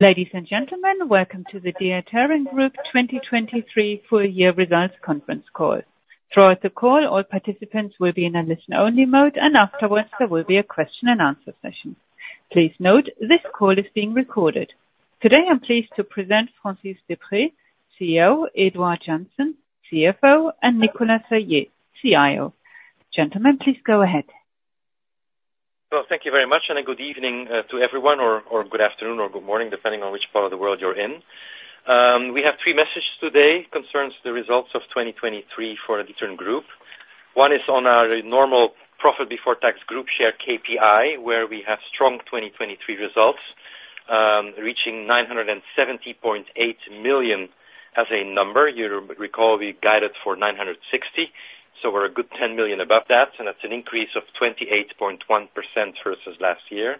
Ladies and gentlemen, welcome to the D'Ieteren Group 2023 full year results conference call. Throughout the call, all participants will be in a listen-only mode, and afterwards there will be a question and answer session. Please note, this call is being recorded. Today, I'm pleased to present Francis Deprez, CEO, Édouard Janssen, CFO, and Nicolas Saillez, CIO. Gentlemen, please go ahead. Well, thank you very much, and a good evening to everyone, or good afternoon or good morning, depending on which part of the world you're in. We have three messages today concerning the results of 2023 for the D'Ieteren Group. One is on our normal profit before tax group share KPI, where we have strong 2023 results, reaching 970.8 million as a number. You recall we guided for 960 million, so we're a good 10 million above that, and that's an increase of 28.1% versus last year.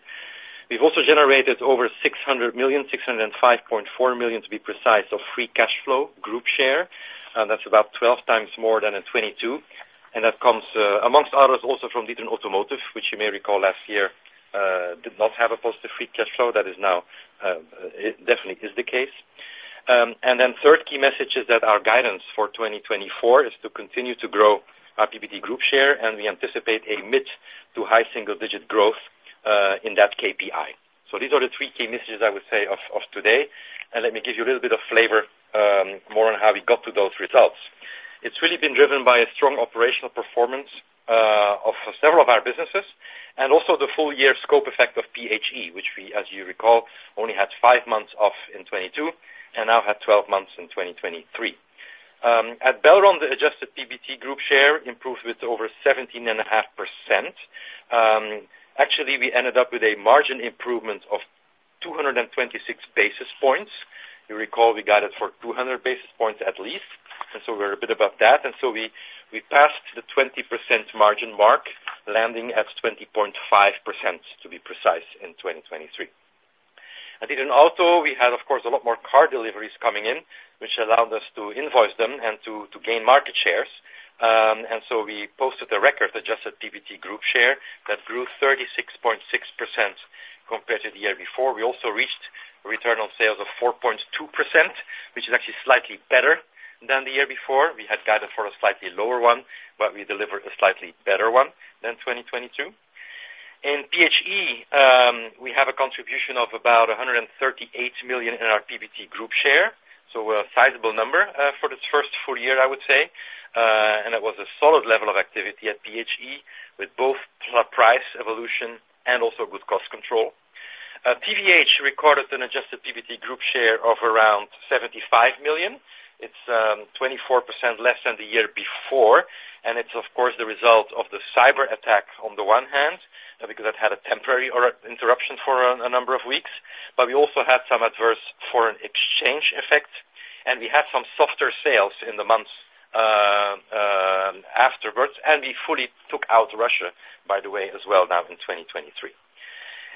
We've also generated over 600 million, 605.4 million, to be precise, of free cash flow group share, and that's about 12 times more than in 2022. That comes, among others, also from D'Ieteren Automotive, which you may recall last year did not have a positive free cash flow. That is now, it definitely is the case. And then the third key message is that our guidance for 2024 is to continue to grow our PBT Group share, and we anticipate a mid- to high-single-digit growth in that KPI. So these are the three key messages I would say of today, and let me give you a little bit of flavor more on how we got to those results. It's really been driven by a strong operational performance of several of our businesses, and also the full-year scope effect of PHE, which we, as you recall, only had 5 months of in 2022 and now have 12 months in 2023. At Belron, the adjusted PBT group share improved with over 17.5%. Actually, we ended up with a margin improvement of 226 basis points. You recall, we got it for 200 basis points at least, and so we're a bit above that. And so we passed the 20% margin mark, landing at 20.5%, to be precise, in 2023. At D'Ieteren Auto, we had, of course, a lot more car deliveries coming in, which allowed us to invoice them and to gain market shares. And so we posted a record, adjusted PBT group share, that grew 36.6% compared to the year before. We also reached return on sales of 4.2%, which is actually slightly better than the year before. We had guided for a slightly lower one, but we delivered a slightly better one than 2022. In PHE, we have a contribution of about 138 million in our PBT group share, so a sizable number, for the first full year, I would say. It was a solid level of activity at PHE, with both price evolution and also good cost control. PHE recorded an adjusted PBT group share of around 75 million. It's 24% less than the year before, and it's of course the result of the cyber attack on the one hand, because that had a temporary interruption for a number of weeks, but we also had some adverse foreign exchange effects, and we had some softer sales in the months afterwards, and we fully took out Russia, by the way, as well, now in 2023.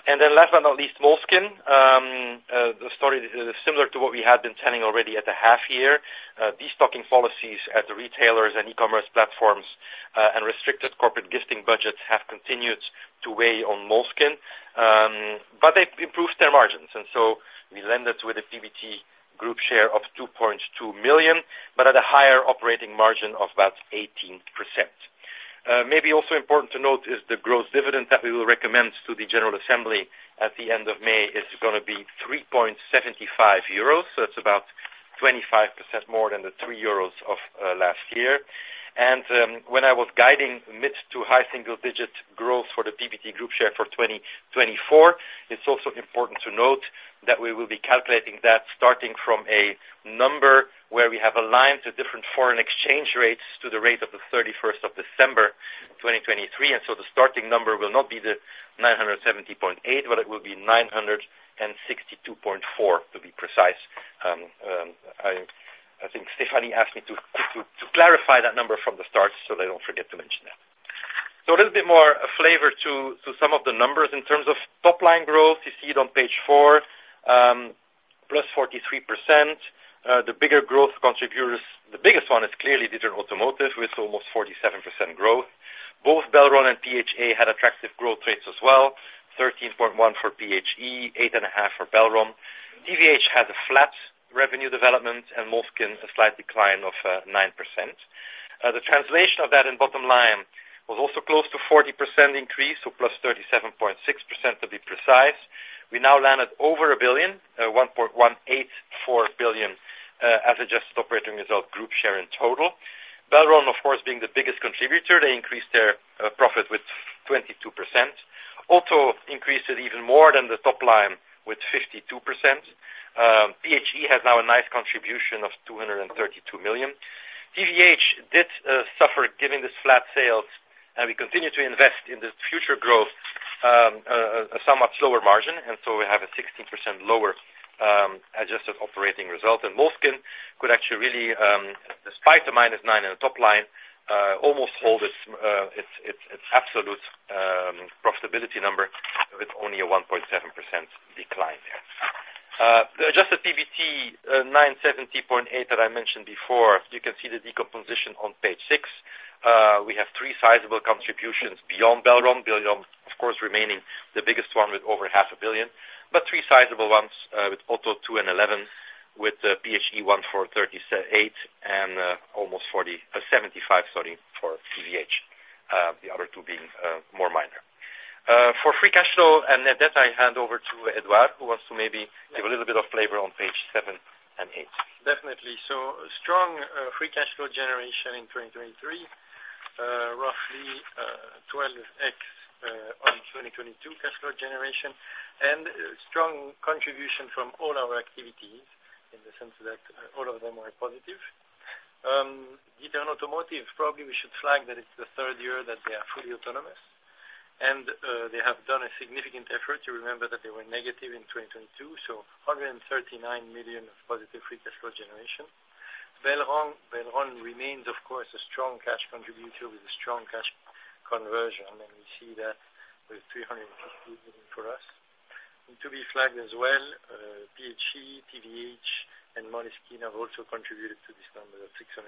Then last but not least, Moleskine. The story is similar to what we had been telling already at the half year. Destocking policies at the retailers and e-commerce platforms, and restricted corporate gifting budgets have continued to weigh on Moleskine, but they've improved their margins, and so we landed it with a PBT group share of 2.2 million, but at a higher operating margin of about 18%. Maybe also important to note is the growth dividend that we will recommend to the General Assembly at the end of May is gonna be 3.75 euros, so it's about 25% more than the 3 euros of last year. When I was guiding mid- to high-single-digit growth for the PBT group share for 2024, it's also important to note that we will be calculating that starting from a number where we have aligned to different foreign exchange rates to the rate of December 31, 2023, and so the starting number will not be the 970.8, but it will be 962.4, to be precise. I think Stephanie asked me to clarify that number from the start, so I don't forget to mention that. So a little bit more flavor to some of the numbers in terms of top-line growth. You see it on page 4, +43%. The bigger growth contributors, the biggest one is clearly D'Ieteren Automotive, with almost 47% growth. Both Belron and PHE had attractive growth rates as well, 13.1% for PHE, 8.5% for Belron. TVH has a flat revenue development and Moleskine a slight decline of 9%. The translation of that in bottom line was also close to 40% increase, so +37.6%, to be precise. We now landed over 1 billion, 1.184 billion, as adjusted operating result group share in total. Belron, of course, being the biggest contributor, they increased their profit with 22%. Auto increased it even more than the top line with 52%. PHE has now a nice contribution of 232 million. TVH did suffer, giving this flat sales, and we continue to invest in the future growth, a somewhat slower margin, and so we have a 16% lower adjusted operating result. And Moleskine could actually really, despite the -9% in the top line, almost hold its absolute profitability number with only a 1.7% decline there. The adjusted PBT, 970.8 million that I mentioned before, you can see the decomposition on page six. We have three sizable contributions beyond Belron. Belron, of course, remaining the biggest one with over 500 million, but three sizable ones with over 211 million, with PHE 143.8 million, and almost 40 million, 75 million, sorry, for TVH. The other two being more minor. For free cash flow and net debt, I hand over to Édouard, who wants to maybe give a little bit of flavor on page seven and eight. Definitely. So strong free cash flow generation in 2023, roughly 12x on 2022 cash flow generation, and strong contribution from all our activities, in the sense that all of them are positive. D'Ieteren Automotive, probably we should flag that it's the third year that they are fully autonomous, and they have done a significant effort to remember that they were negative in 2022, so 139 million of positive free cash flow generation. Belron, Belron remains, of course, a strong cash contributor with a strong cash conversion, and we see that with 350 million for us. And to be flagged as well, PHE, TVH, and Moleskine have also contributed to this number of 605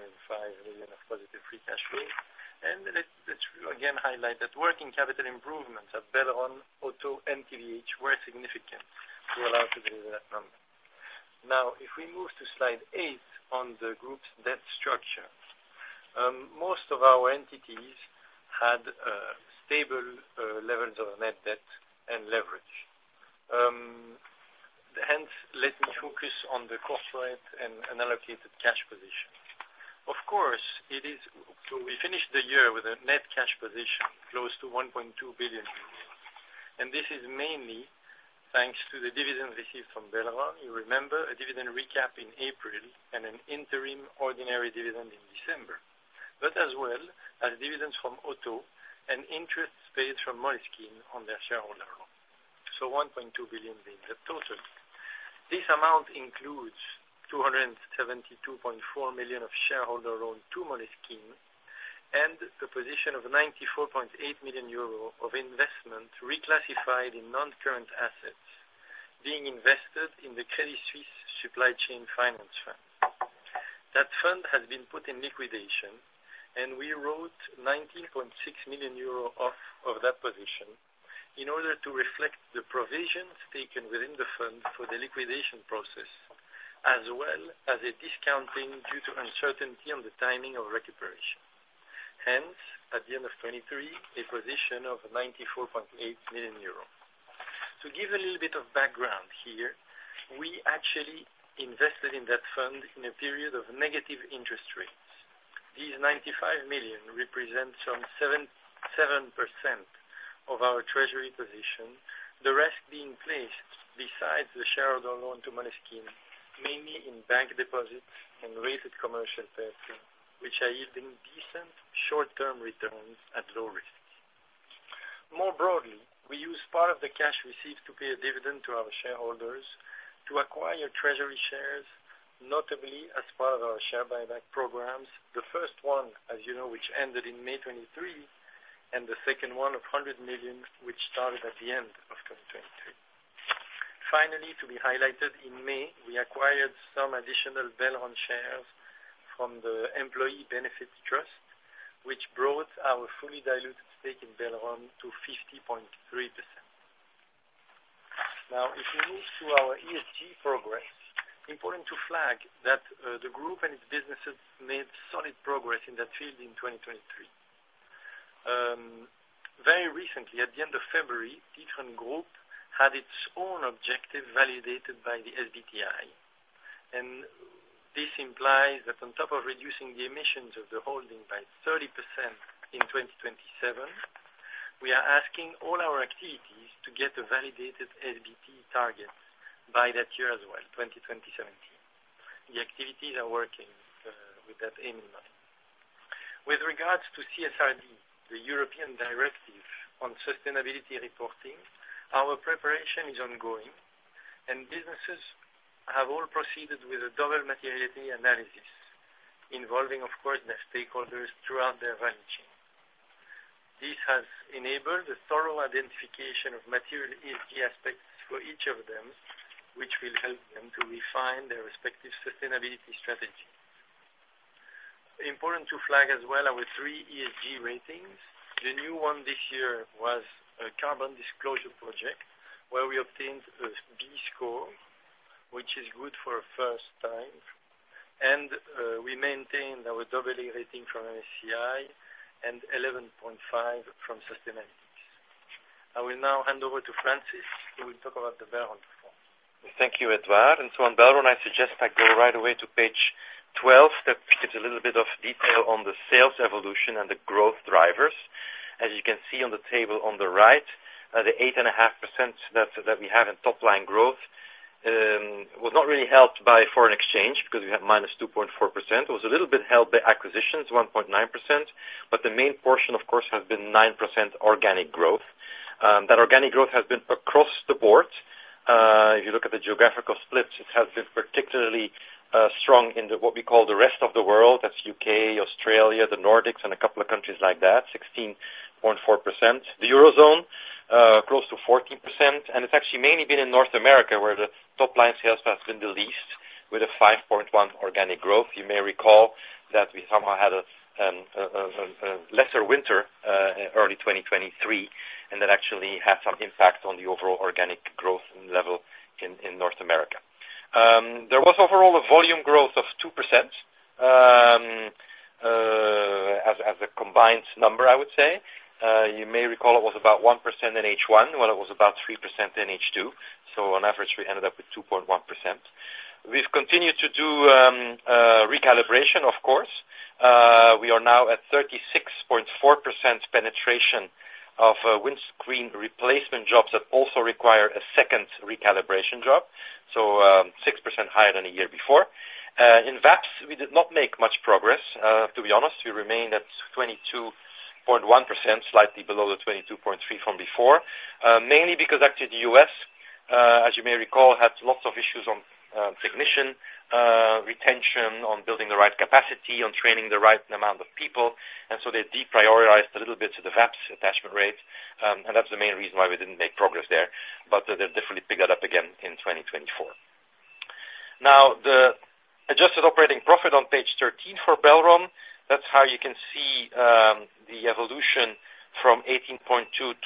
million of positive free cash flow. And let's again highlight that working capital improvements at Belron, Auto, and TVH were significant to allow today that number. Now, if we move to slide 8 on the group's debt structure. Most of our entities had stable levels of net debt and leverage. Hence, let me focus on the corporate and unallocated cash position. Of course, so we finished the year with a net cash position close to 1.2 billion, and this is mainly thanks to the dividend received from Belron. You remember a dividend recap in April and an interim ordinary dividend in December, but as well as dividends from Auto and interest paid from Moleskine on their shareholder loan, so 1.2 billion being the total. This amount includes 272.4 million of shareholder loan to Moleskine, and a position of 94.8 million euro of investment reclassified in non-current assets, being invested in the Credit Suisse Supply Chain Finance Fund. That fund has been put in liquidation, and we wrote 90.6 million euro off of that position in order to reflect the provisions taken within the fund for the liquidation process, as well as a discounting due to uncertainty on the timing of recuperation. Hence, at the end of 2023, a position of 94.8 million euros. To give a little bit of background here, we actually invested in that fund in a period of negative interest rates. These 95 million represents some 7.7% of our treasury position, the rest being placed besides the shareholder loan to Moleskine, mainly in bank deposits and rated commercial debts, which are yielding decent short-term returns at low risk. More broadly, we use part of the cash received to pay a dividend to our shareholders to acquire treasury shares, notably as part of our share buyback programs. The first one, as you know, which ended in May 2023, and the second one of 100 million, which started at the end of 2023. Finally, to be highlighted, in May, we acquired some additional Belron shares from the employee benefit trust, which brought our fully diluted stake in Belron to 50.3%. Now, if we move to our ESG progress, important to flag that the group and its businesses made solid progress in that field in 2023. Very recently, at the end of February, D'Ieteren Group had its own objective validated by the SBTi, and this implies that on top of reducing the emissions of the holding by 30% in 2027, we are asking all our activities to get a validated SBT target by that year as well, 2027. The activities are working with that aim in mind. With regards to CSRD, the European Directive on Sustainability Reporting, our preparation is ongoing, and businesses have all proceeded with a double materiality analysis, involving, of course, their stakeholders throughout their value chain. This has enabled the thorough identification of material ESG aspects for each of them, which will help them to refine their respective sustainability strategy. Important to flag as well our three ESG ratings. The new one this year was a Carbon Disclosure Project, where we obtained a B score, which is good for a first time, and we maintained our double A rating from MSCI and 11.5 from Sustainalytics. I will now hand over to Francis, who will talk about the Belron performance. Thank you, Édouard. On Belron, I suggest I go right away to page 12. That gives a little bit of detail on the sales evolution and the growth drivers. As you can see on the table on the right, the 8.5% that we have in top line growth was not really helped by foreign exchange, because we have -2.4%. It was a little bit helped by acquisitions, 1.9%, but the main portion, of course, has been 9% organic growth. That organic growth has been across the board. If you look at the geographical splits, it has been particularly strong in what we call the rest of the world. That's UK, Australia, the Nordics, and a couple of countries like that, 16.4%. The Eurozone-... Close to 14%, and it's actually mainly been in North America, where the top-line sales has been the least, with a 5.1 organic growth. You may recall that we somehow had a lesser winter in early 2023, and that actually had some impact on the overall organic growth level in North America. There was overall a volume growth of 2%, as a combined number, I would say. You may recall it was about 1% in H1, while it was about 3% in H2, so on average, we ended up with 2.1%. We've continued to do recalibration, of course. We are now at 36.4% penetration of windscreen replacement jobs that also require a second recalibration job, so six percent higher than a year before. In VAPS, we did not make much progress, to be honest. We remained at 22.1%, slightly below the 22.3% from before, mainly because actually the U.S., as you may recall, had lots of issues on technician retention, on building the right capacity, on training the right amount of people, and so they deprioritized a little bit to the VAPS attachment rate, and that's the main reason why we didn't make progress there, but they'll definitely pick that up again in 2024. Now, the adjusted operating profit on page 13 for Belron, that's how you can see, the evolution from 18.2%-20.5%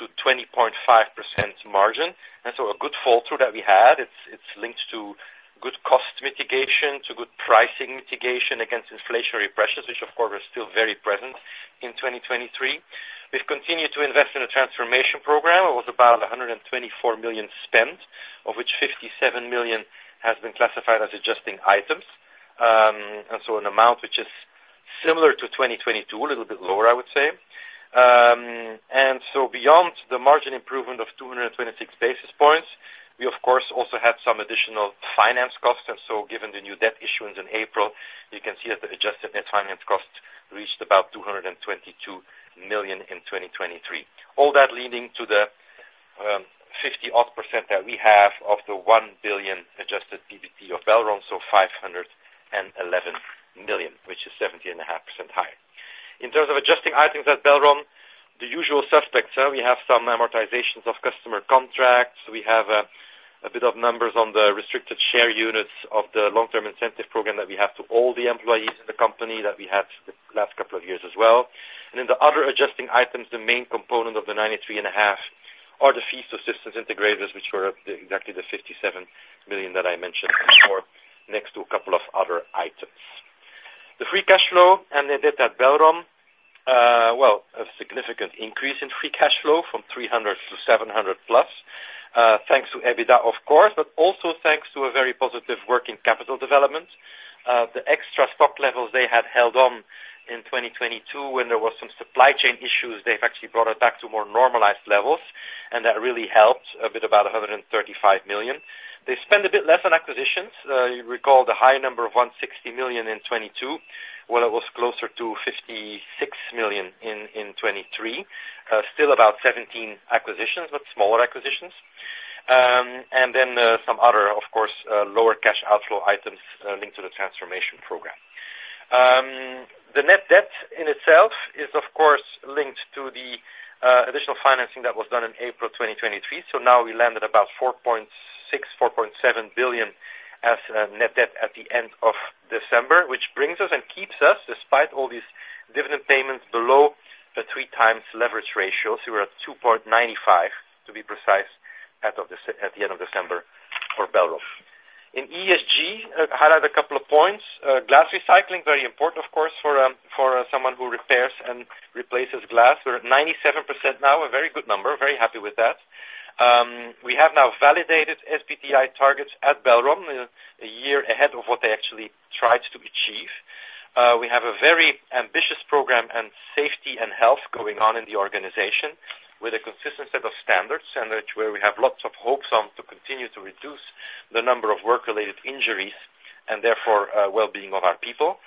margin, and so a good fall through that we had. It's linked to good cost mitigation, to good pricing mitigation against inflationary pressures, which, of course, are still very present in 2023. We've continued to invest in a transformation program. It was about 124 million spent, of which 57 million has been classified as adjusting items, and so an amount which is similar to 2022, a little bit lower, I would say. And so beyond the margin improvement of 226 basis points, we of course also had some additional finance costs, and so given the new debt issuance in April, you can see that the adjusted net finance cost reached about 222 million in 2023. All that leading to the 50-odd% that we have of the 1 billion adjusted PBT of Belron, so 511 million, which is 17.5% higher. In terms of adjusting items at Belron, the usual suspects, we have some amortizations of customer contracts. We have a bit of numbers on the restricted share units of the long-term incentive program that we have to all the employees in the company that we had the last couple of years as well. In the other adjusting items, the main component of the 93.5 million are the fees to systems integrators, which were exactly the 57 million that I mentioned before, next to a couple of other items. The free cash flow and the debt at Belron, well, a significant increase in free cash flow from 300 million to 700+ million, thanks to EBITDA, of course, but also thanks to a very positive working capital development. The extra stock levels they had held on in 2022 when there was some supply chain issues, they've actually brought it back to more normalized levels, and that really helped a bit, about 135 million. They spent a bit less on acquisitions. You recall the high number of 160 million in 2022, while it was closer to 56 million in 2023. Still about 17 acquisitions, but smaller acquisitions. Then, some other, of course, lower cash outflow items, linked to the transformation program. The net debt in itself is, of course, linked to the additional financing that was done in April 2023. So now we land at about 4.6 billion-4.7 billion as net debt at the end of December, which brings us and keeps us, despite all these dividend payments, below the 3x leverage ratio. So we're at 2.95, to be precise, at the end of December for Belron. In ESG, highlight a couple of points. Glass recycling, very important, of course, for someone who repairs and replaces glass. We're at 97% now, a very good number, very happy with that. We have now validated SBTi targets at Belron, a year ahead of what they actually tried to achieve. We have a very ambitious program and safety and health going on in the organization with a consistent set of standards, and where we have lots of hopes on to continue to reduce the number of work-related injuries and therefore, well-being of our people.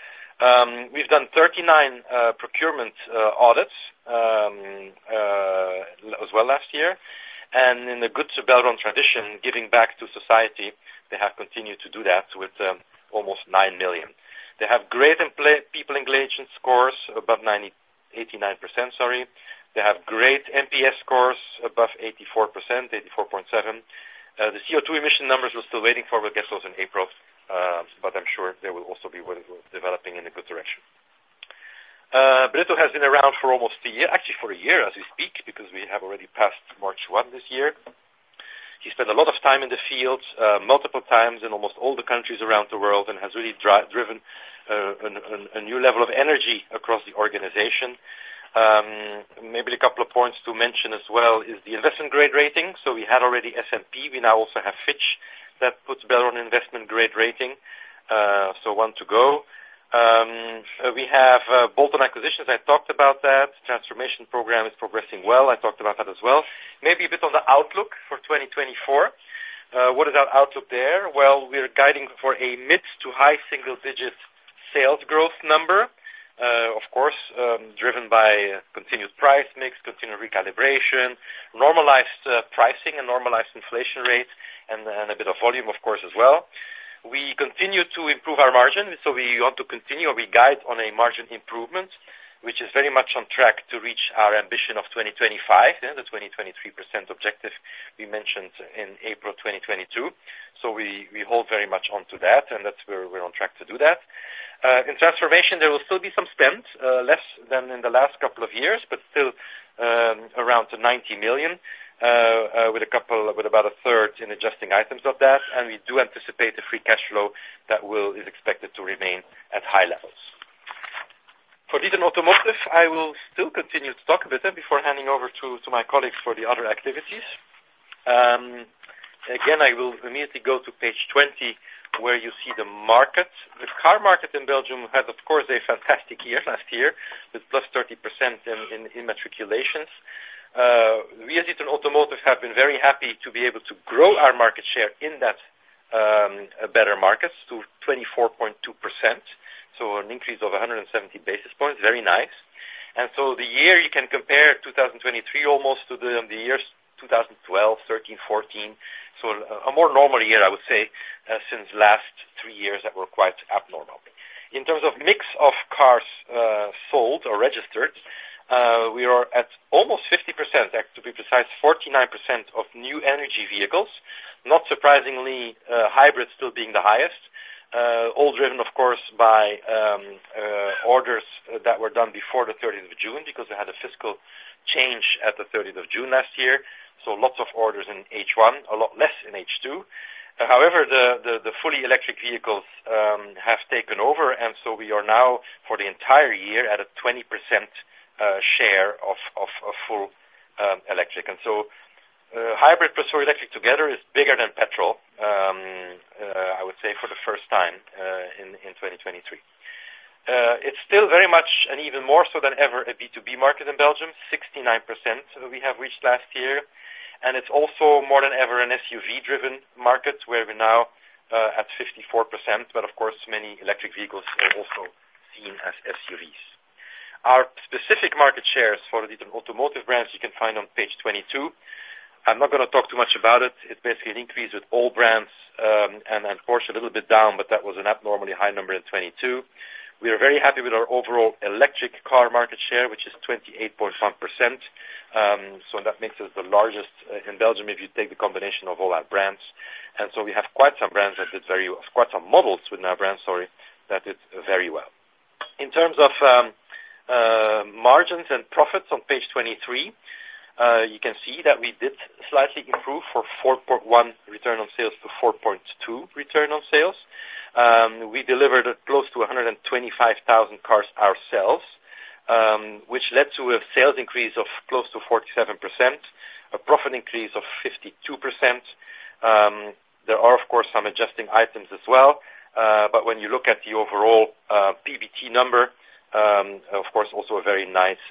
We've done 39 procurement audits as well last year. In the good old Belron tradition, giving back to society, they have continued to do that with almost 9 million. They have great people engagement scores, above 89%, sorry. They have great NPS scores, above 84%, 84.7. The CO2 emission numbers we're still waiting for; we'll get those in April, but I'm sure they will also be, well, developing in a good direction. Brito has been around for almost a year, actually for a year as we speak, because we have already passed March one this year. He spent a lot of time in the field, multiple times in almost all the countries around the world and has really driven a new level of energy across the organization. Maybe a couple of points to mention as well is the investment grade rating. So we had already S&P; we now also have Fitch that puts Belron investment grade rating, so one to go. We have Belron acquisitions; I talked about that. Transformation program is progressing well; I talked about that as well. Maybe a bit on the outlook for 2024. What is our outlook there? Well, we are guiding for a mid- to high single-digit sales growth number, of course, driven by continued price mix, continued recalibration, normalized pricing and normalized inflation rates, and a bit of volume, of course, as well. We continue to improve our margin, so we want to continue, or we guide on a margin improvement, which is very much on track to reach our ambition of 2025, yeah, the 23% objective we mentioned in April 2022. So we hold very much onto that, and that's where we're on track to do that. In transformation, there will still be some spends less than in the last couple of years, but still around 90 million, with about a third in adjusting items of that. And we do anticipate the free cash flow that will, is expected to remain at high levels. For D'Ieteren Automotive, I will still continue to talk a bit before handing over to my colleagues for the other activities. Again, I will immediately go to page 20, where you see the market. The car market in Belgium had, of course, a fantastic year last year, with +30% in matriculations. We at D'Ieteren Automotive have been very happy to be able to grow our market share in that better markets to 24.2%, so an increase of 170 basis points. Very nice. The year 2023 you can compare almost to the years 2012, 2013, 2014. A more normal year, I would say, since the last three years that were quite abnormal. In terms of mix of cars sold or registered, we are at almost 50%, to be precise, 49% of new energy vehicles. Not surprisingly, hybrid still being the highest, all driven, of course, by orders that were done before the 13th of June, because they had a fiscal change at the 13th of June last year. So lots of orders in H1, a lot less in H2. However, the fully electric vehicles have taken over, and so we are now, for the entire year, at a 20% share of full electric. And so, hybrid plus electric together is bigger than petrol, I would say, for the first time, in 2023. It's still very much, and even more so than ever, a B2B market in Belgium, 69% that we have reached last year. And it's also, more than ever, an SUV-driven market, where we're now at 54%. But of course, many electric vehicles are also seen as SUVs. Our specific market shares for D'Ieteren Automotive brands you can find on page 22. I'm not going to talk too much about it. It's basically an increase with all brands, and then Porsche a little bit down, but that was an abnormally high number in 2022. We are very happy with our overall electric car market share, which is 28.1%. So that makes us the largest in Belgium, if you take the combination of all our brands. So we have quite some brands that did very—quite some models within our brands, sorry, that did very well. In terms of margins and profits on page 23, you can see that we did slightly improve for 4.1 return on sales to 4.2 return on sales. We delivered close to 125,000 cars ourselves, which led to a sales increase of close to 47%, a profit increase of 52%. There are, of course, some adjusting items as well, but when you look at the overall PBT number, of course, also a very nice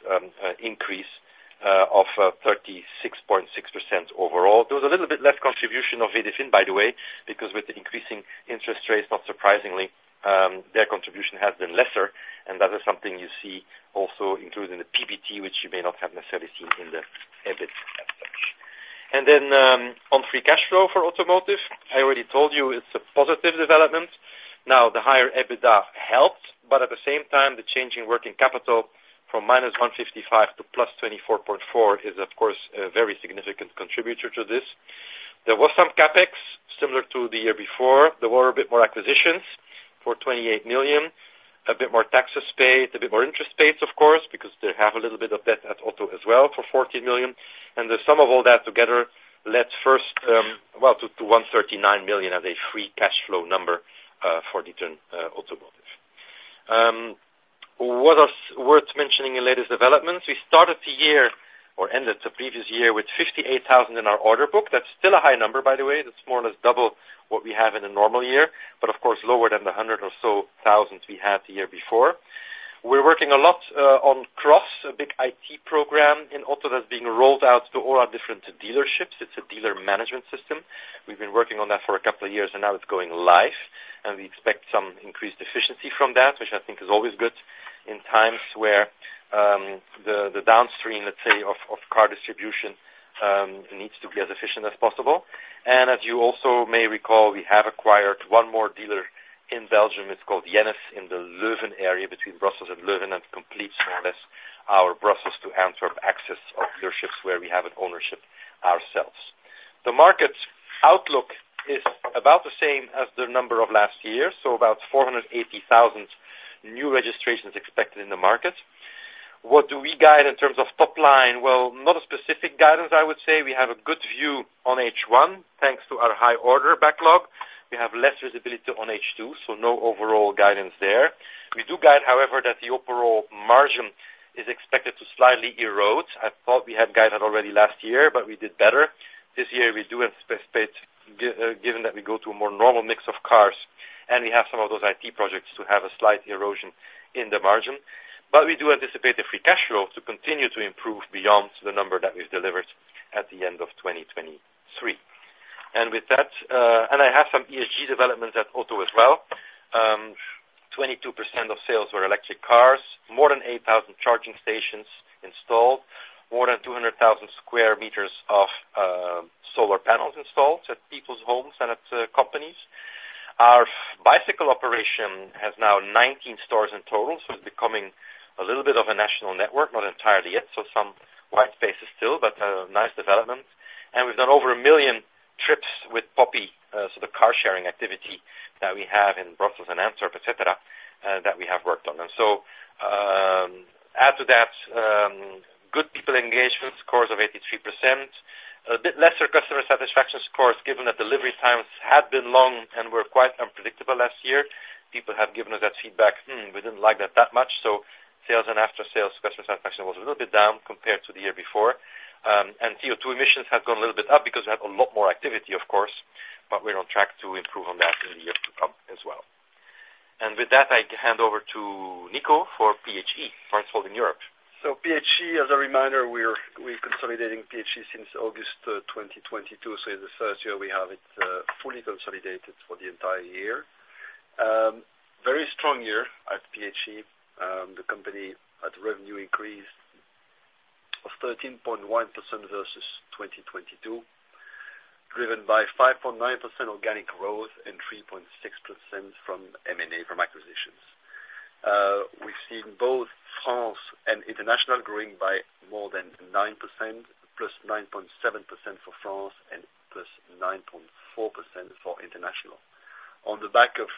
increase of 36.6% overall. There was a little bit less contribution of VDFin, by the way, because with the increasing interest rates, not surprisingly, their contribution has been lesser. And that is something you see also included in the PBT, which you may not have necessarily seen in the EBIT as such. And then, on free cash flow for automotive, I already told you it's a positive development. Now, the higher EBITDA helped, but at the same time, the change in working capital from -155 to +24.4 is, of course, a very significant contributor to this. There was some CapEx, similar to the year before. There were a bit more acquisitions for 28 million, a bit more taxes paid, a bit more interest paid, of course, because they have a little bit of debt at Auto as well for 14 million. The sum of all that together led first, well, to, to 139 million as a free cash flow number, for D'Ieteren Automotive. What else worth mentioning in latest developments? We started the year or ended the previous year with 58,000 in our order book. That's still a high number, by the way. That's more or less double what we have in a normal year, but of course, lower than the 100,000 or so we had the year before. We're working a lot on CROSS, a big IT program in Auto that's being rolled out to all our different dealerships. It's a dealer management system. We've been working on that for a couple of years, and now it's going live, and we expect some increased efficiency from that, which I think is always good in times where the downstream, let's say, of car distribution needs to be as efficient as possible. And as you also may recall, we have acquired one more dealer in Belgium. It's called Garage Jennes, in the Leuven area, between Brussels and Leuven, and completes more or less our Brussels to Antwerp access of dealerships where we have an ownership ourselves. The market outlook is about the same as the number of last year, so about 480,000 new registrations expected in the market. What do we guide in terms of top line? Well, not a specific guidance, I would say. We have a good view on H1, thanks to our high order backlog. We have less visibility on H2, so no overall guidance there. We do guide, however, that the overall margin is expected to slightly erode. I thought we had guided already last year, but we did better. This year, we do anticipate, given that we go to a more normal mix of cars, and we have some of those IT projects to have a slight erosion in the margin. But we do anticipate the free cash flow to continue to improve beyond the number that we've delivered at the end of 2023. And with that, and I have some ESG developments at Auto as well, 22% of sales were electric cars, more than 8,000 charging stations installed, more than 200,000 square meters of solar panels installed at people's homes and at companies. Our bicycle operation has now 19 stores in total, so it's becoming a little bit of a national network, not entirely yet, so some white spaces still, but, nice development. We've done over 1 million trips with Poppy, so the car sharing activity that we have in Brussels and Antwerp, et cetera, that we have worked on. Add to that, good people engagement scores of 83%, a bit lesser customer satisfaction scores, given that delivery times had been long and were quite unpredictable last year. People have given us that feedback, "Mm, we didn't like that that much." Sales and after sales customer satisfaction was a little bit down compared to the year before. CO2 emissions have gone a little bit up because we have a lot more activity, of course, but we're on track to improve on that in the years to come as well. With that, I hand over to Nico for PHE, Parts Holding Europe. So PHE, as a reminder, we're consolidating PHE since August 2022, so in the first year we have it fully consolidated for the entire year. Very strong year at PHE. The company had revenue increase of 13.1% versus 2022, driven by 5.9% organic growth and 3.6% from M&A, from acquisitions. We've seen both France and international growing by more than 9%, plus 9.7% for France and plus 9.4% for international. On the back of,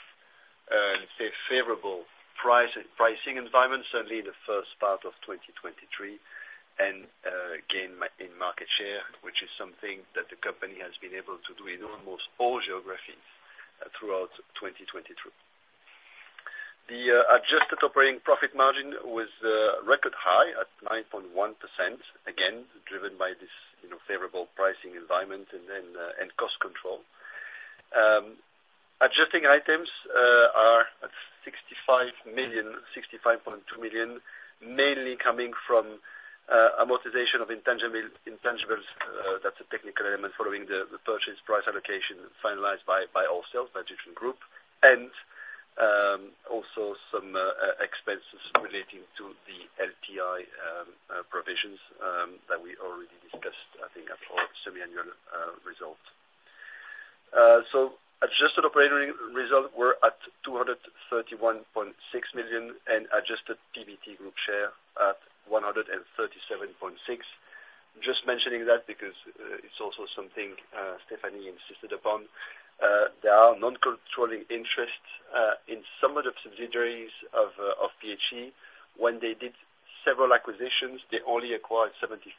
let's say, favorable price-pricing environment, certainly in the first part of 2023, and gain in market share, which is something that the company has been able to do in almost all geographies throughout 2022. The adjusted operating profit margin was record high at 9.1%, again, driven by this, you know, favorable pricing environment and then and cost control. Adjusting items are at 65.2 million, mainly coming from amortization of intangibles, that's a technical element following the purchase price allocation finalized by ourselves, by D'Ieteren Group, and also some expenses relating to the LTI provisions that we already discussed, I think, at our semi-annual results. So adjusted operating results were at 231.6 million, and adjusted PBT group share at 137.6 million. Just mentioning that because it's also something Stéphanie insisted upon. There are non-controlling interests in some of the subsidiaries of PHE. When they did several acquisitions, they only acquired 75%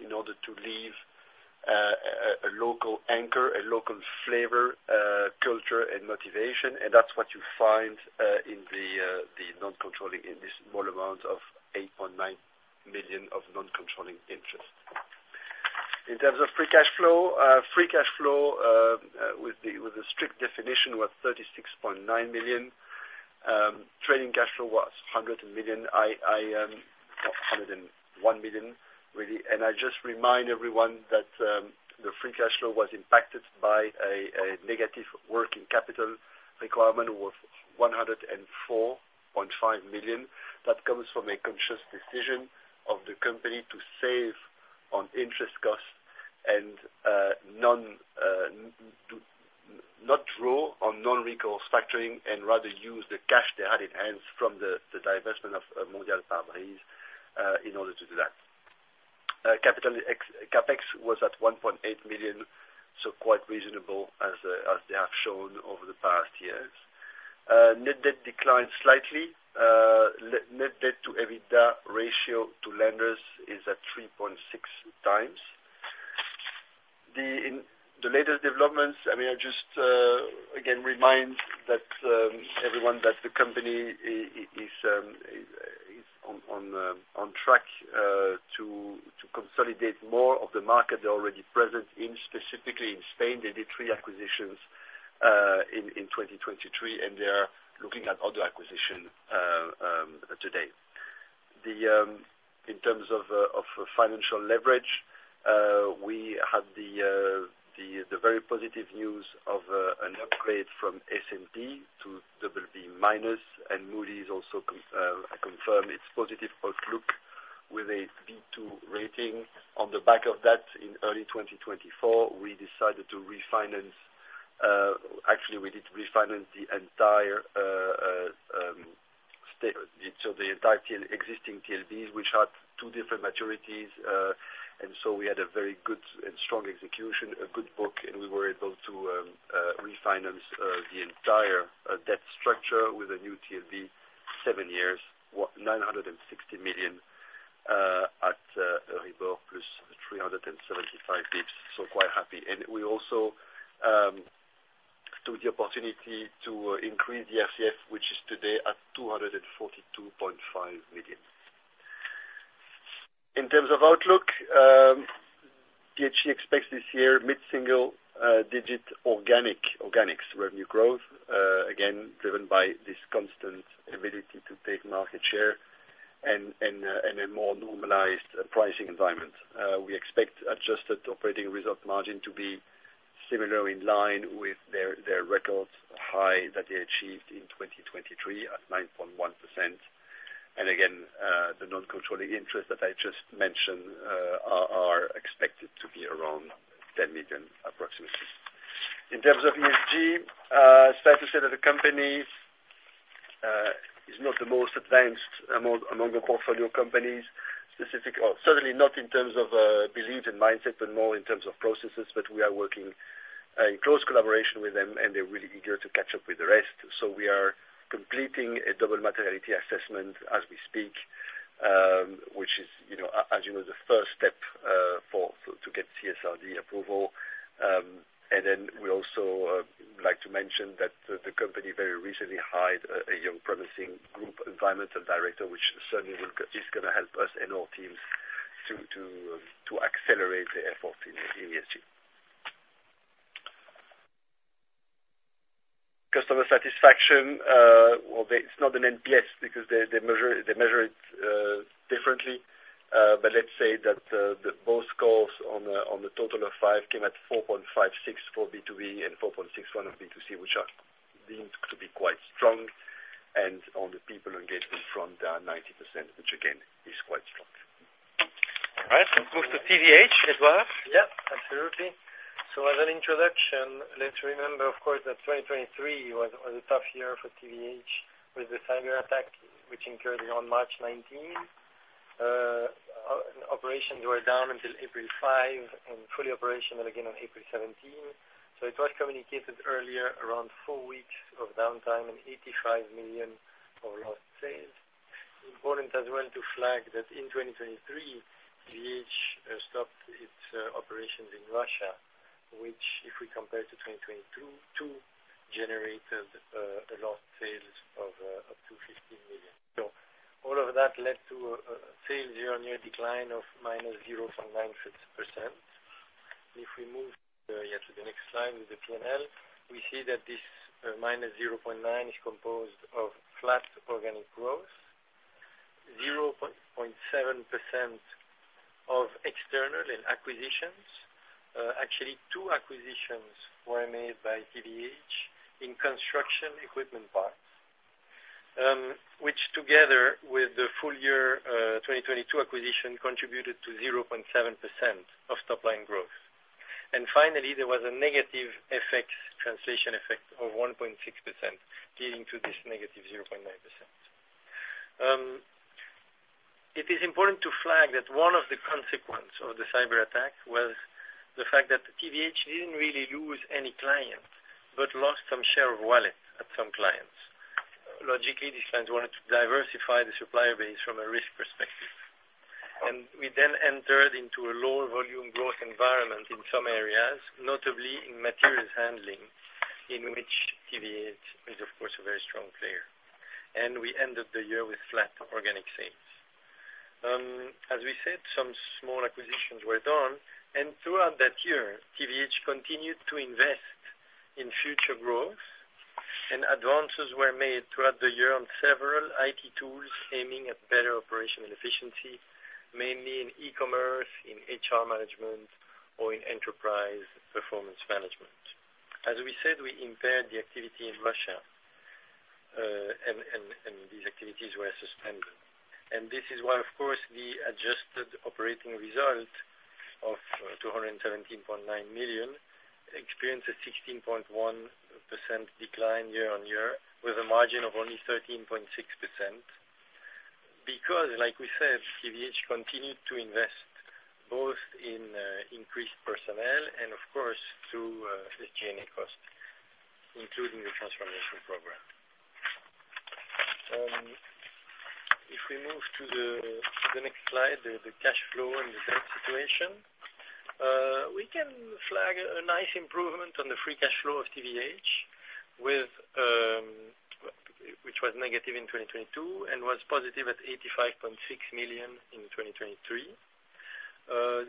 in order to leave a local anchor, a local flavor, culture, and motivation. That's what you find in the non-controlling in this small amount of 8.9 million of non-controlling interest. In terms of free cash flow, free cash flow with the strict definition was 36.9 million. Trading cash flow was 100 million, 101 million, really. And I just remind everyone that the free cash flow was impacted by a negative working capital requirement worth 104.5 million. That comes from a conscious decision of the company to save on interest costs and not draw on non-recourse factoring and rather use the cash they had in hand from the divestment of Mondial Pare-Brise in order to do that. CapEx was at 1.8 million, so quite reasonable as they have shown over the past years. Net debt declined slightly. Net debt to EBITDA ratio to lenders is at 3.6 times. The latest developments, I mean, I just again remind everyone that the company is on track to consolidate more of the market they're already present in, specifically in Spain. They did three acquisitions in 2023, and they are looking at other acquisition today. In terms of financial leverage, we had the very positive news of an upgrade from S&P to BB-, and Moody's also confirmed its positive outlook with a B2 rating. On the back of that, in early 2024, we decided to refinance. Actually, we need to refinance the entire existing TLBs, which had two different maturities, and so we had a very good and strong execution, a good book, and we were able to refinance the entire debt structure with a new TLB, 7 years, 960 million, at LIBOR plus 375 basis points, so quite happy. We also took the opportunity to increase the RCF, which is today at 242.5 million. In terms of outlook, PHE expects this year mid-single digit organic revenue growth, again, driven by this constant ability to take market share and a more normalized pricing environment. We expect adjusted operating result margin to be similar in line with their record high that they achieved in 2023 at 9.1%. And again, the non-controlling interest that I just mentioned are expected to be around 10 million approximately. In terms of ESG, start to say that the company is not the most advanced among the portfolio companies. Or certainly not in terms of beliefs and mindsets, but more in terms of processes. But we are working in close collaboration with them, and they're really eager to catch up with the rest. So we are completing a double materiality assessment as we speak, which is, you know, as you know, the first step for to get CSRD approval. And then we also like to mention that the company very recently hired a young, promising group environmental director, which certainly is gonna help us and our teams to accelerate the effort in ESG. Customer satisfaction, well, it's not an NPS because they measure it differently. But let's say that the both scores on a total of 5 came at 4.56 for B2B and 4.61 for B2C, which are deemed to be quite strong, and on the people engagement front, 90%, which again, is quite strong. All right, let's move to TVH, Édouard. Yeah, absolutely. So as an introduction, let's remember, of course, that 2023 was a tough year for TVH, with the cyberattack, which occurred on March 19. Operations were down until April 5 and fully operational again on April 17. So it was communicated earlier, around 4 weeks of downtime and 85 million of lost sales. Important as well to flag that in 2023, TVH stopped its operations in Russia, which, if we compare to 2022, generated a lost sales of up to 15 million. So all of that led to a sales year-on-year decline of -0.96%. If we move to the next slide with the PNL, we see that this -0.96 is composed of flat organic growth, 0.07% of external and acquisitions. Actually, two acquisitions were made by TVH in construction equipment parts, which together with the full year 2022 acquisition, contributed to 0.7% of top line growth. Finally, there was a negative effect, translation effect of 1.6%, leading to this -0.9%. It is important to flag that one of the consequence of the cyberattack was the fact that TVH didn't really lose any client, but lost some share of wallet at some clients. Logically, these clients wanted to diversify the supplier base from a risk perspective. We then entered into a lower volume growth environment in some areas, notably in materials handling, in which TVH is, of course, a very strong player. We ended the year with flat organic sales. As we said, some small acquisitions were done, and throughout that year, TVH continued to invest in future growth, and advances were made throughout the year on several IT tools, aiming at better operational efficiency, mainly in e-commerce, in HR management, or in enterprise performance management. As we said, we impaired the activity in Russia, and these activities were suspended. This is why, of course, the adjusted operating result of 217.9 million experienced a 16.1% decline year-on-year, with a margin of only 13.6%. Because, like we said, TVH continued to invest both in increased personnel and, of course, to the G&A cost, including the transformation program. If we move to the next slide, the cash flow and the debt situation, we can flag a nice improvement on the free cash flow of TVH with which was negative in 2022 and was positive at 85.6 million in 2023.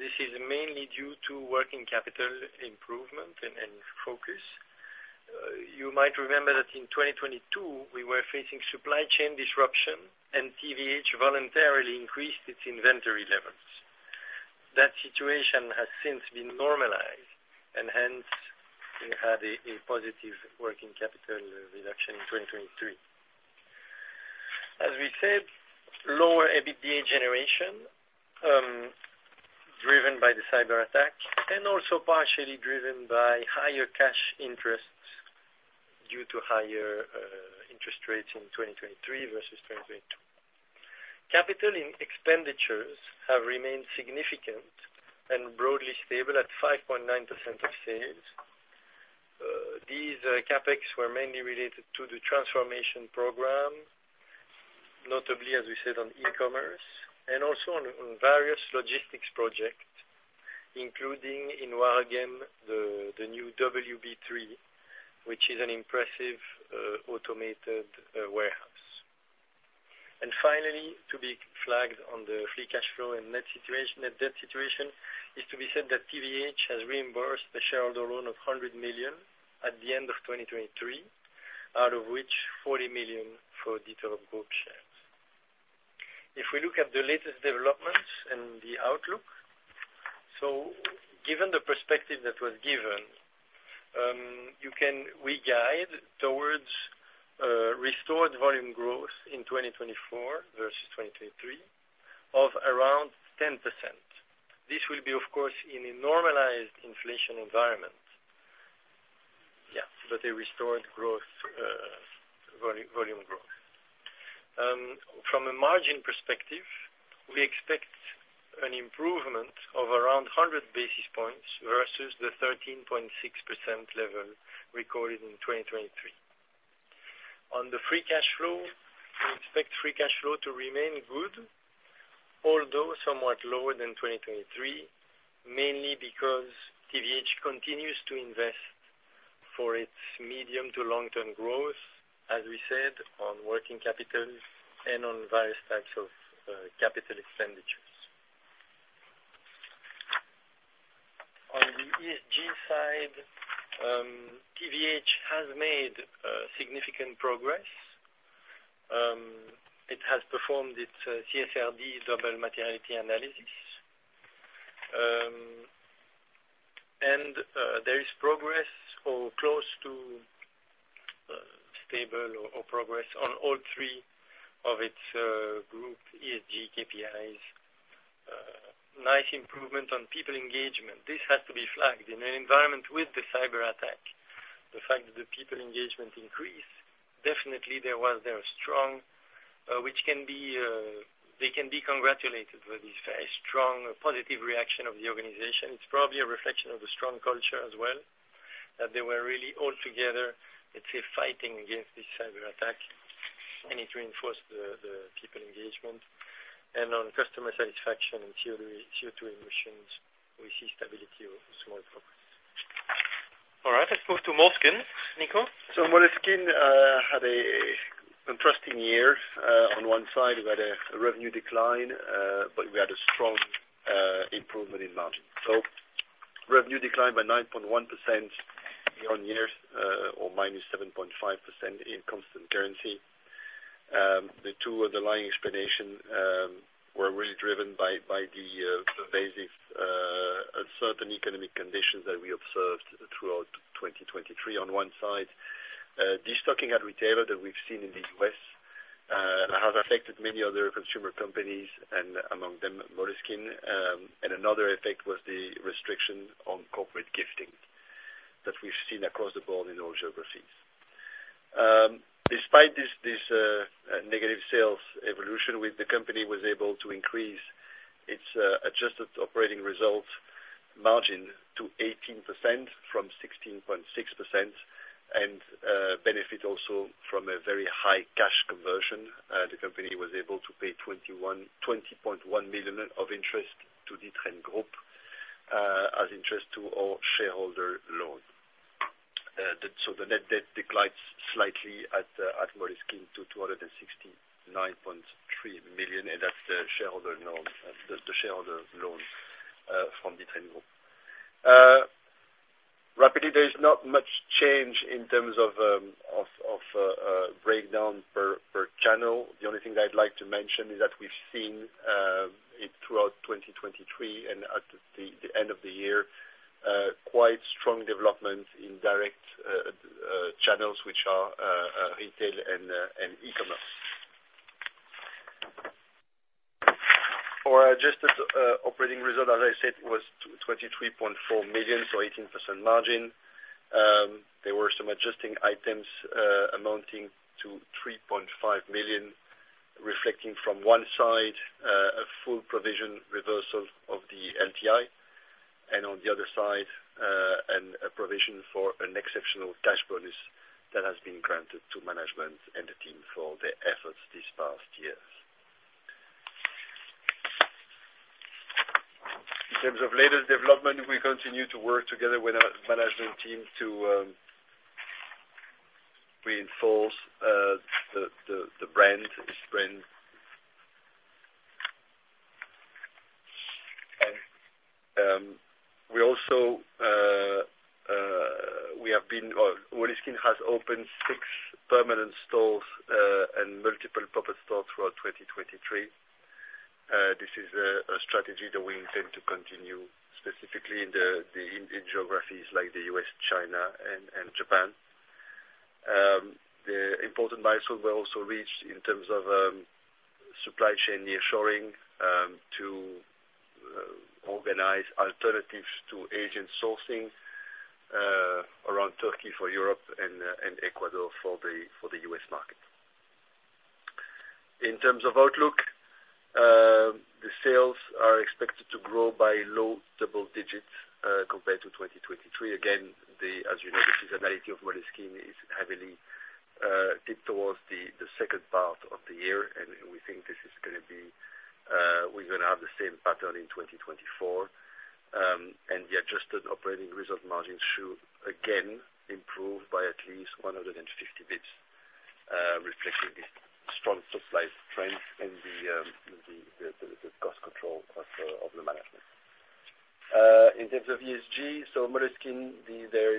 This is mainly due to working capital improvement and focus. You might remember that in 2022, we were facing supply chain disruption, and TVH voluntarily increased its inventory levels. That situation has since been normalized, and hence, we had a positive working capital reduction in 2023. As we said, lower EBITDA generation, driven by the cyberattack and also partially driven by higher cash interests due to higher interest rates in 2023 versus 2022. Capital expenditures have remained significant and broadly stable at 5.9% of sales. These CapEx were mainly related to the transformation program, notably, as we said, on e-commerce and also on various logistics projects, including in Waregem, the new WB3, which is an impressive automated warehouse. And finally, to be flagged on the free cash flow and net situation, net debt situation, is to be said that TVH has reimbursed the shareholder loan of 100 million at the end of 2023, out of which 40 million for D'Ieteren Group shares.... If we look at the latest developments and the outlook, so given the perspective that was given, you can re-guide towards restored volume growth in 2024 versus 2023, of around 10%. This will be, of course, in a normalized inflation environment. Yeah, but a restored growth, volume growth. From a margin perspective, we expect an improvement of around 100 basis points versus the 13.6% level recorded in 2023. On the free cash flow, we expect free cash flow to remain good, although somewhat lower than 2023, mainly because TVH continues to invest for its medium to long-term growth, as we said, on working capital and on various types of capital expenditures. On the ESG side, TVH has made significant progress. It has performed its CSRD double materiality analysis. And there is progress or close to stable or progress on all three of its group ESG KPIs. Nice improvement on people engagement. This has to be flagged. In an environment with the cyberattack, the fact that the people engagement increased, definitely there was a strong, which can be. They can be congratulated with this very strong positive reaction of the organization. It's probably a reflection of the strong culture as well, that they were really all together, let's say, fighting against this cyberattack, and it reinforced the people engagement. And on customer satisfaction and CO2 emissions, we see stability or small progress. All right, let's move to Moleskine, Nico. So Moleskine had an interesting year. On one side, we had a revenue decline, but we had a strong improvement in margin. So revenue declined by 9.1% year-on-year, or minus 7.5% in constant currency. The two underlying explanation were really driven by the pervasive uncertain economic conditions that we observed throughout 2023. On one side, de-stocking at retailer that we've seen in the U.S. has affected many other consumer companies, and among them, Moleskine. And another effect was the restriction on corporate gifting that we've seen across the board in all geographies. Despite this negative sales evolution with the company, was able to increase its adjusted operating result margin to 18% from 16.6%, and benefit also from a very high cash conversion. The company was able to pay 20.1 million of interest to the D'Ieteren Group, as interest to our shareholder loan. So the net debt declines slightly at Moleskine to 269.3 million, and that's the shareholder loan, the shareholder loan from D'Ieteren Group. Rapidly, there is not much change in terms of breakdown per channel. The only thing that I'd like to mention is that we've seen it throughout 2023 and at the end of the year, quite strong development in direct channels, which are retail and e-commerce. For adjusted operating result, as I said, was 23.4 million, so 18% margin. There were some adjusting items amounting to 3.5 million, reflecting from one side a full provision reversal of the LTI, and on the other side, and a provision for an exceptional cash bonus that has been granted to management and the team for their efforts this past years. In terms of latest development, we continue to work together with our management team to reinforce the brand, this brand. We also, Moleskine has opened six permanent stores and multiple pop-up stores throughout 2023. This is a strategy that we intend to continue, specifically in the geographies like the US, China, and Japan. The important milestone were also reached in terms of supply chain nearshoring to organize alternatives to agent sourcing around Turkey for Europe and Ecuador for the US market. In terms of outlook, the sales are expected to grow by low double digits compared to 2023. Again, as you know, the seasonality of Moleskine is heavily tipped towards the second part of the year, and we think this is gonna be, we're gonna have the same pattern in 2024. And the adjusted operating result margin should again improve by at least 150 basis points, reflecting the strong supply strength and the cost control of the management. In terms of ESG, so Moleskine, their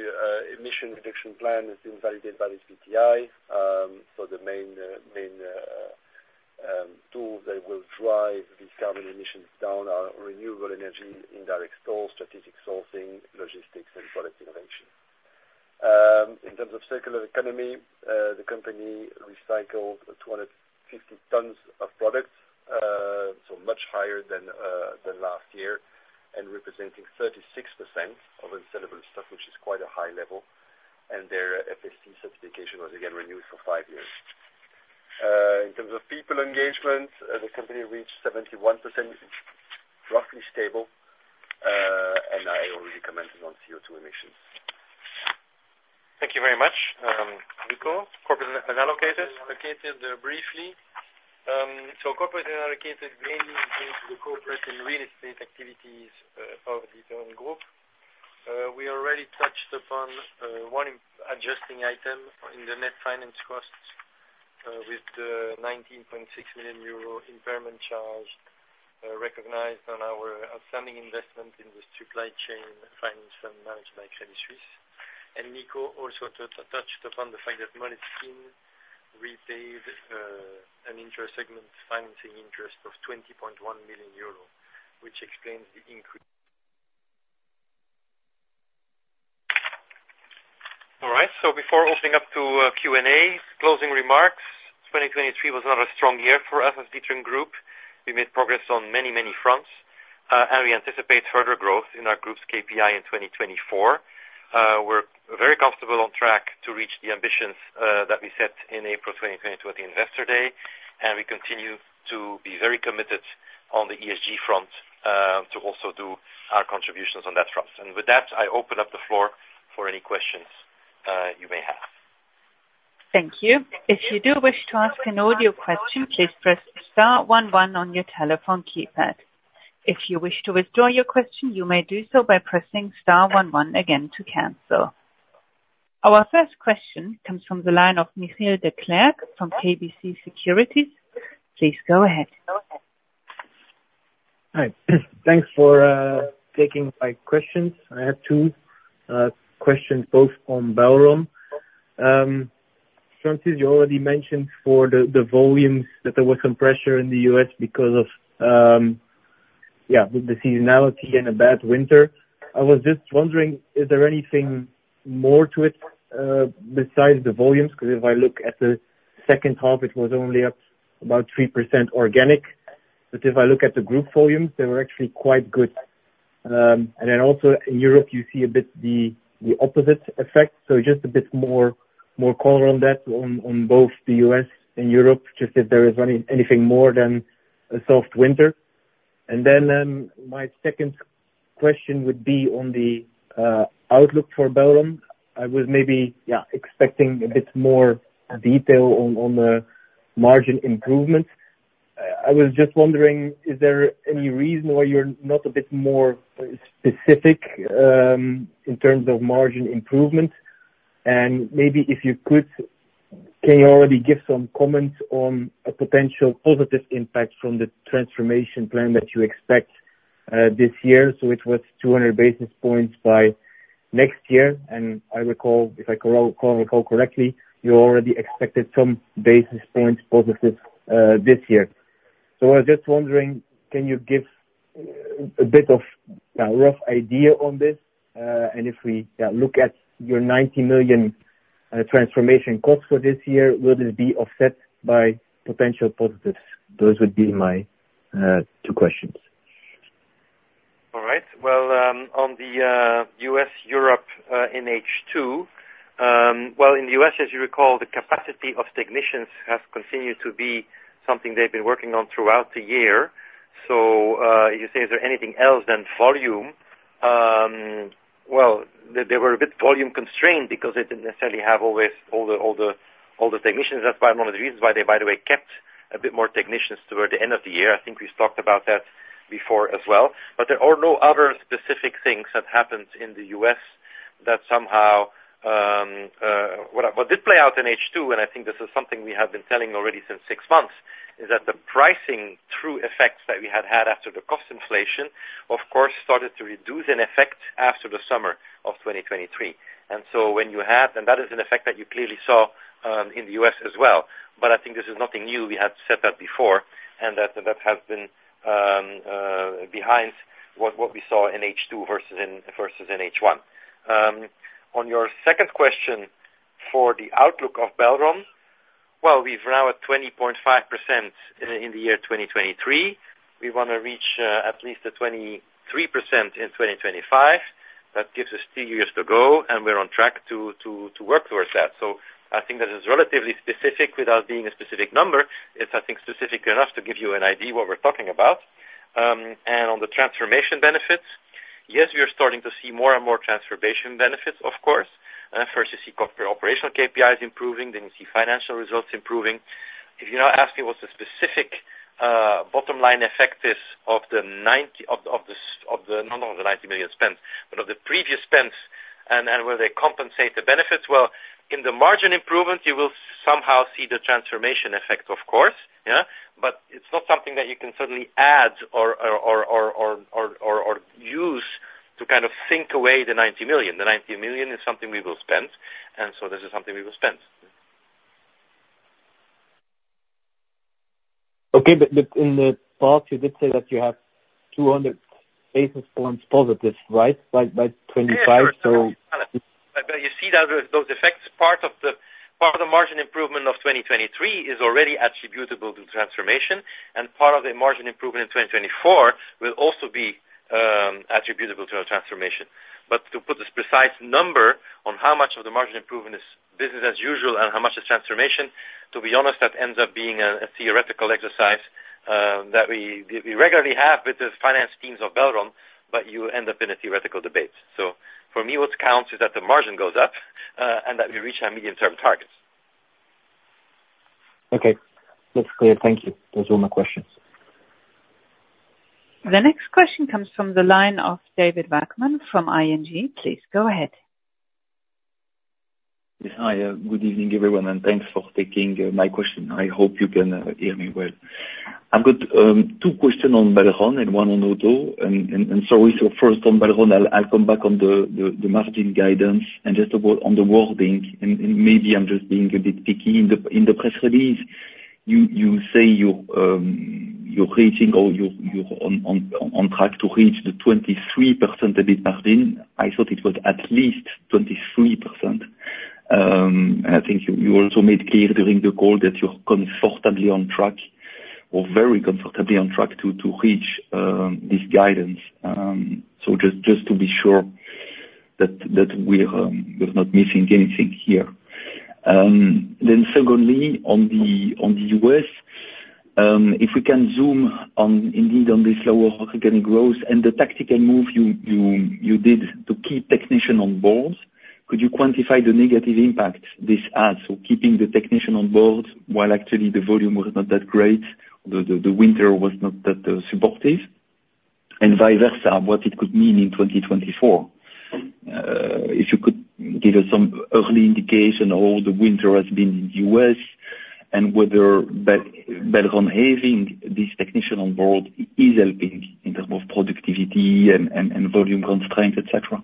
emission reduction plan has been validated by this SBTi. So the main tool that will drive the carbon emissions down are renewable energy, indirect scope, strategic sourcing, logistics, and product innovation. In terms of circular economy, the company recycled 250 tons of products, so much higher than last year, and representing 36% of unsellable stock, which is quite a high level, and their FSC certification was again renewed for 5 years. In terms of people engagement, the company reached 71%, roughly stable, and I already commented on CO2 emissions. Thank you very much, Nico. Corporate and allocated? Allocated briefly. So corporate and allocated mainly includes the corporate and real estate activities of the D'Ieteren Group. We already touched upon one adjusting item in the net finance costs with the 19.6 million euro impairment charge recognized on our outstanding investment in the supply chain finance and managed by Credit Suisse. And Nico also touched upon the fact that Moleskine repaid an interest segment financing interest of 20.1 million euro, which explains the increase. All right, so before opening up to Q&A, closing remarks. 2023 was another strong year for us as D'Ieteren Group. We made progress on many, many fronts, and we anticipate further growth in our group's KPI in 2024. We're very comfortable on track to reach the ambitions that we set in April 2020 Investor Day, and we continue to be very committed on the ESG front, to also do our contributions on that front. With that, I open up the floor for any questions you may have. Thank you. If you do wish to ask an audio question, please press star one one on your telephone keypad. If you wish to withdraw your question, you may do so by pressing star one one again to cancel. Our first question comes from the line of Michiel Declercq from KBC Securities. Please go ahead. Hi. Thanks for taking my questions. I have two questions, both on Belron. Francis, you already mentioned for the volumes that there was some pressure in the U.S. because of the seasonality and a bad winter. I was just wondering, is there anything more to it, besides the volumes? Because if I look at the second half, it was only up about 3% organic, but if I look at the group volumes, they were actually quite good. And then also in Europe, you see a bit the opposite effect. So just a bit more color on that, on both the U.S. and Europe, just if there is anything more than a soft winter. And then, my second question would be on the outlook for Belron. I was maybe, yeah, expecting a bit more detail on the margin improvement. I was just wondering, is there any reason why you're not a bit more specific in terms of margin improvement? And maybe if you could, can you already give some comments on a potential positive impact from the transformation plan that you expect this year? So it was 200 basis points by next year, and I recall, if I recall correctly, you already expected some basis points positive this year. So I was just wondering, can you give a bit of a rough idea on this? And if we look at your 90 million transformation costs for this year, will this be offset by potential positives? Those would be my two questions. All right. Well, on the U.S., Europe in H2, well, in the U.S., as you recall, the capacity of technicians has continued to be something they've been working on throughout the year. So, you say, is there anything else than volume? Well, they were a bit volume constrained because they didn't necessarily have always all the technicians. That's one of the reasons why they, by the way, kept a bit more technicians toward the end of the year. I think we've talked about that before as well. But there are no other specific things that happened in the U.S. that somehow... What did play out in H2, and I think this is something we have been telling already since six months, is that the pricing through effects that we had had after the cost inflation, of course, started to reduce in effect after the summer of 2023. And so when you have-- and that is an effect that you clearly saw in the US as well. But I think this is nothing new. We had said that before, and that has been behind what we saw in H2 versus in H1. On your second question for the outlook of Belron, well, we're now at 20.5% in the year 2023. We want to reach at least the 23% in 2025. That gives us two years to go, and we're on track to work towards that. So I think that is relatively specific without being a specific number. It's, I think, specific enough to give you an idea what we're talking about. And on the transformation benefits, yes, we are starting to see more and more transformation benefits, of course. First, you see corporate operational KPIs improving, then you see financial results improving. If you're now asking what the specific bottom line effect is of the ninety million spent, but of the previous spend and where they compensate the benefits. Well, in the margin improvement, you will somehow see the transformation effect, of course, yeah? But it's not something that you can suddenly add or use to kind of sink away the 90 million. The 90 million is something we will spend, and so this is something we will spend. Okay, but, but in the past, you did say that you have 200 basis points positive, right? By, by 25, so- But you see that those effects, part of the, part of the margin improvement of 2023 is already attributable to transformation, and part of the margin improvement in 2024 will also be attributable to our transformation. But to put this precise number on how much of the margin improvement is business as usual and how much is transformation, to be honest, that ends up being a theoretical exercise that we regularly have with the finance teams of Belron, but you end up in a theoretical debate. So for me, what counts is that the margin goes up, and that we reach our medium-term targets. Okay, that's clear. Thank you. Those are all my questions. The next question comes from the line of David Vagman from ING. Please go ahead. Yes. Hi, good evening, everyone, and thanks for taking my question. I hope you can hear me well. I've got two questions on Belron and one on Auto. And so first on Belron, I'll come back on the margin guidance and just about on the wording, and maybe I'm just being a bit picky. In the press release, you say you're reaching or you're on track to reach the 23% EBIT margin. I thought it was at least 23%. And I think you also made clear during the call that you're comfortably on track or very comfortably on track to reach this guidance. So just to be sure that we're not missing anything here. Then secondly, on the US, if we can zoom on indeed on the slower organic growth and the tactical move you did to keep technician on board, could you quantify the negative impact this has? So keeping the technician on board, while actually the volume was not that great, the winter was not that supportive, and vice versa, what it could mean in 2024. If you could give us some early indication how the winter has been in the US and whether Belron having these technician on board is helping in terms of productivity and volume constraints, et cetera.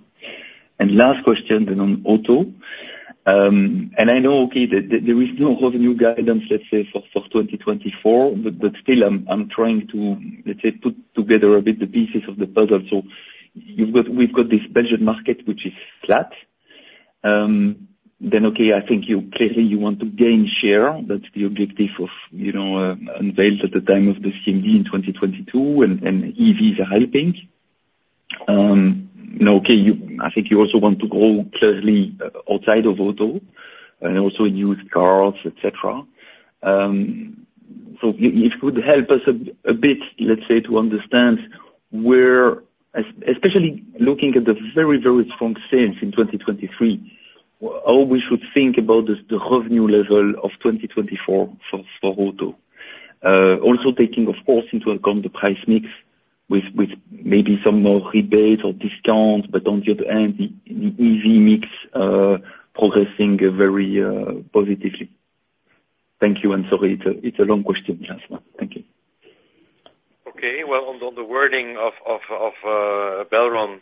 And last question then on Auto. And I know, okay, that there is no revenue guidance, let's say, for 2024, but still I'm trying to, let's say, put together a bit the pieces of the puzzle. So you've got, we've got this Belgian market, which is flat. Then, okay, I think you clearly want to gain share, that's the objective of, you know, unveiled at the time of the CMD in 2022, and EVs are helping. Now, okay, you, I think you also want to grow clearly outside of Auto and also used cars, et cetera. So if you could help us a bit, let's say, to understand where especially looking at the very, very strong sales in 2023, how we should think about the revenue level of 2024 for Auto? Also taking, of course, into account the price mix with, with maybe some more rebates or discounts, but on the other end, the EV mix, progressing, very, positively. Thank you, and sorry, it's a, it's a long question, Jasper. Thank you. Okay. Well, on the wording of Belron,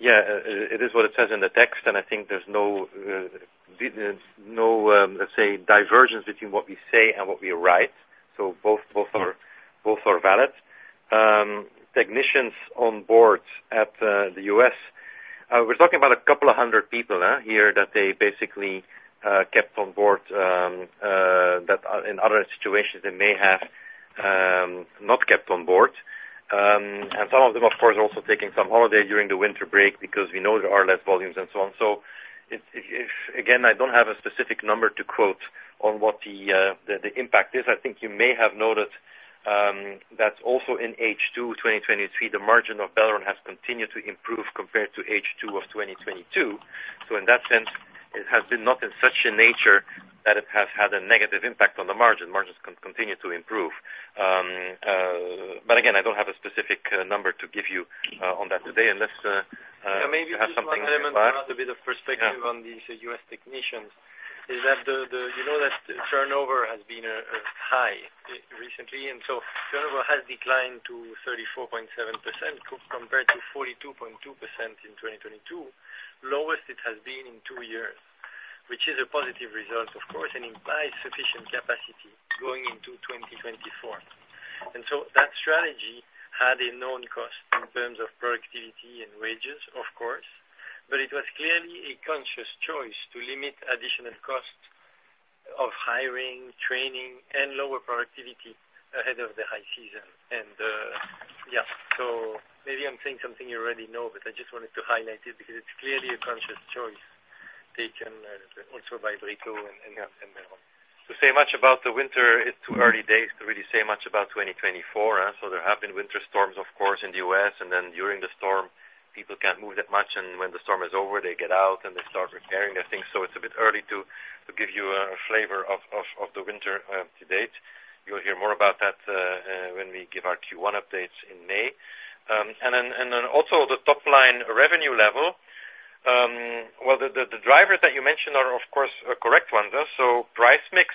yeah, it is what it says in the text, and I think there's no, no, let's say, divergence between what we say and what we write. So both are valid. Technicians on board at the U.S., we're talking about a couple of hundred people here, that they basically kept on board, that in other situations, they may have not kept on board. And some of them, of course, are also taking some holiday during the winter break because we know there are less volumes and so on. So if, again, I don't have a specific number to quote on what the impact is. I think you may have noticed, that also in H2 2023, the margin of Belron has continued to improve compared to H2 of 2022. So in that sense, it has been not in such a nature that it has had a negative impact on the margin. Margins continue to improve. But again, I don't have a specific number to give you on that today unless, Maybe just one element to add a bit of perspective- Yeah. On these U.S. technicians, is that the you know that turnover has been high recently, and so turnover has declined to 34.7% compared to 42.2% in 2022, lowest it has been in two years, which is a positive result, of course, and implies sufficient capacity going into 2024. And yeah, so maybe I'm saying something you already know, but I just wanted to highlight it because it's clearly a conscious choice taken also by Brito and Belron. To say much about the winter, it's too early days to really say much about 2024, so there have been winter storms, of course, in the U.S., and then during the storm, people can't move that much, and when the storm is over, they get out carrying the thing, so it's a bit early to give you a flavor of the winter to date. You'll hear more about that when we give our Q1 updates in May. And then also the top line revenue level, well, the drivers that you mentioned are of course the correct ones. So price mix,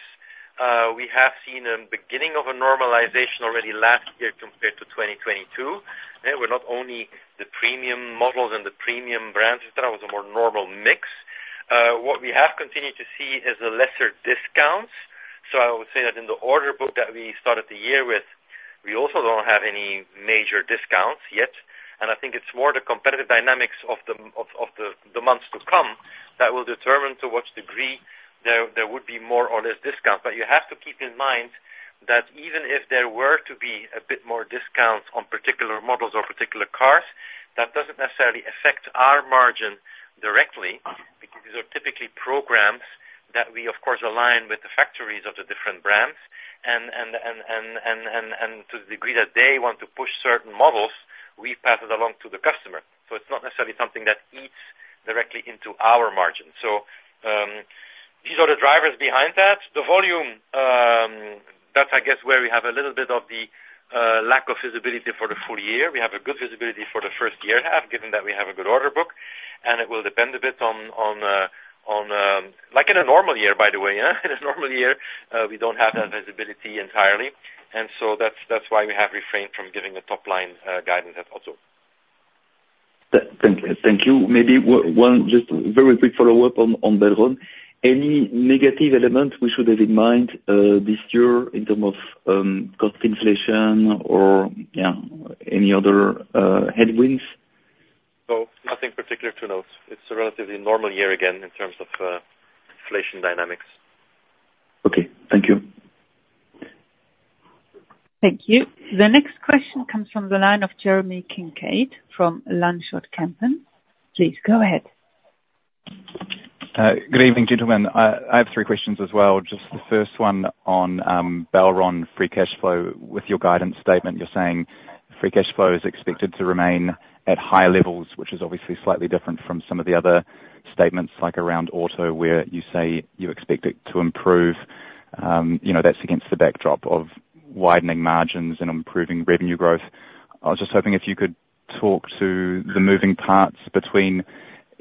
we have seen a beginning of a normalization already last year compared to 2022. Yeah, we're not only the premium models and the premium brands, et cetera, was a more normal mix. What we have continued to see is a lesser discounts. So I would say that in the order book that we started the year with, we also don't have any major discounts yet, and I think it's more the competitive dynamics of the months to come, that will determine to what degree there would be more or less discount. But you have to keep in mind, that even if there were to be a bit more discounts on particular models or particular cars, that doesn't necessarily affect our margin directly, because these are typically programs that we of course align with the factories of the different brands. And to the degree that they want to push certain models, we pass it along to the customer. So it's not necessarily something that eats directly into our margin. So, these are the drivers behind that. The volume, that's I guess where we have a little bit of the lack of visibility for the full year. We have a good visibility for the first year half, given that we have a good order book, and it will depend a bit on, like in a normal year, by the way, yeah? In a normal year, we don't have that visibility entirely, and so that's why we have refrained from giving a top line guidance also. Thank you. Maybe one just very quick follow-up on Belron. Any negative elements we should have in mind this year in terms of cost inflation or any other headwinds? No, nothing particular to note. It's a relatively normal year, again, in terms of inflation dynamics. Okay, thank you. Thank you. The next question comes from the line of Jeremy Kincaid from Lansdowne Partners. Please go ahead. Good evening, gentlemen. I have three questions as well. Just the first one on Belron free cash flow. With your guidance statement, you're saying free cash flow is expected to remain at high levels, which is obviously slightly different from some of the other statements, like around auto, where you say you expect it to improve. You know, that's against the backdrop of widening margins and improving revenue growth. I was just hoping if you could talk to the moving parts between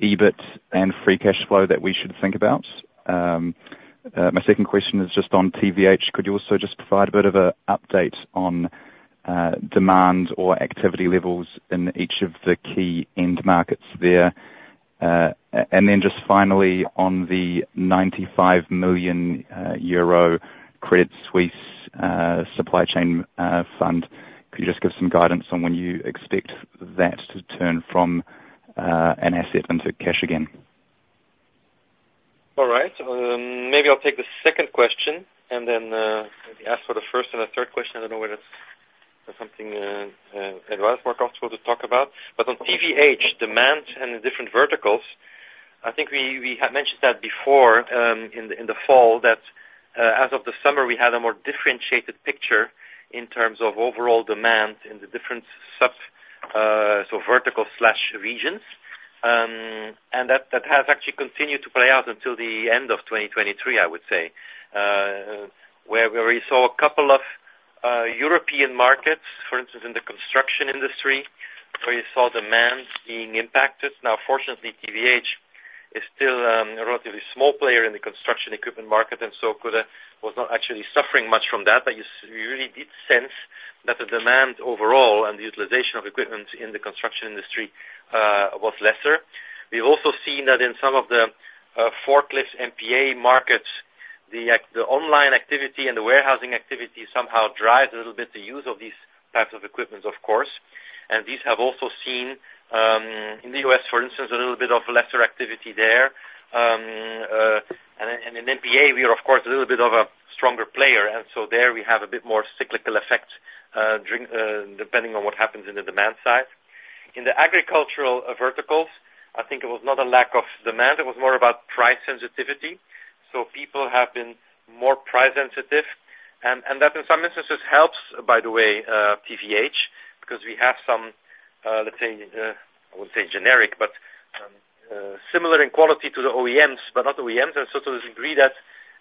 EBIT and free cash flow that we should think about. My second question is just on TVH. Could you also just provide a bit of a update on demand or activity levels in each of the key end markets there? And then just finally, on the 95 million euro Credit Suisse supply chain fund, could you just give some guidance on when you expect that to turn from an asset into cash again? All right. Maybe I'll take the second question, and then maybe ask for the first and the third question. I don't know whether it's something Édouard is more comfortable to talk about. But on TVH, demand and the different verticals, I think we had mentioned that before, in the fall, that as of the summer, we had a more differentiated picture in terms of overall demand in the different sub, so vertical/regions. And that has actually continued to play out until the end of 2023, I would say. Where we saw a couple of European markets, for instance, in the construction industry, where you saw demand being impacted. Now, fortunately, TVH is still a relatively small player in the construction equipment market, and so could—was not actually suffering much from that, but you really did sense that the demand overall and the utilization of equipment in the construction industry was lesser. We've also seen that in some of the forklift MPA markets, the online activity and the warehousing activity somehow drives a little bit the use of these types of equipment, of course. And these have also seen in the U.S., for instance, a little bit of lesser activity there. And in MPA, we are, of course, a little bit of a stronger player, and so there we have a bit more cyclical effect during depending on what happens in the demand side. In the agricultural, verticals, I think it was not a lack of demand, it was more about price sensitivity. So people have been more price sensitive, and, and that in some instances helps, by the way, TVH, because we have some, let's say, I wouldn't say generic, but, similar in quality to the OEMs, but not OEMs. And so to the degree that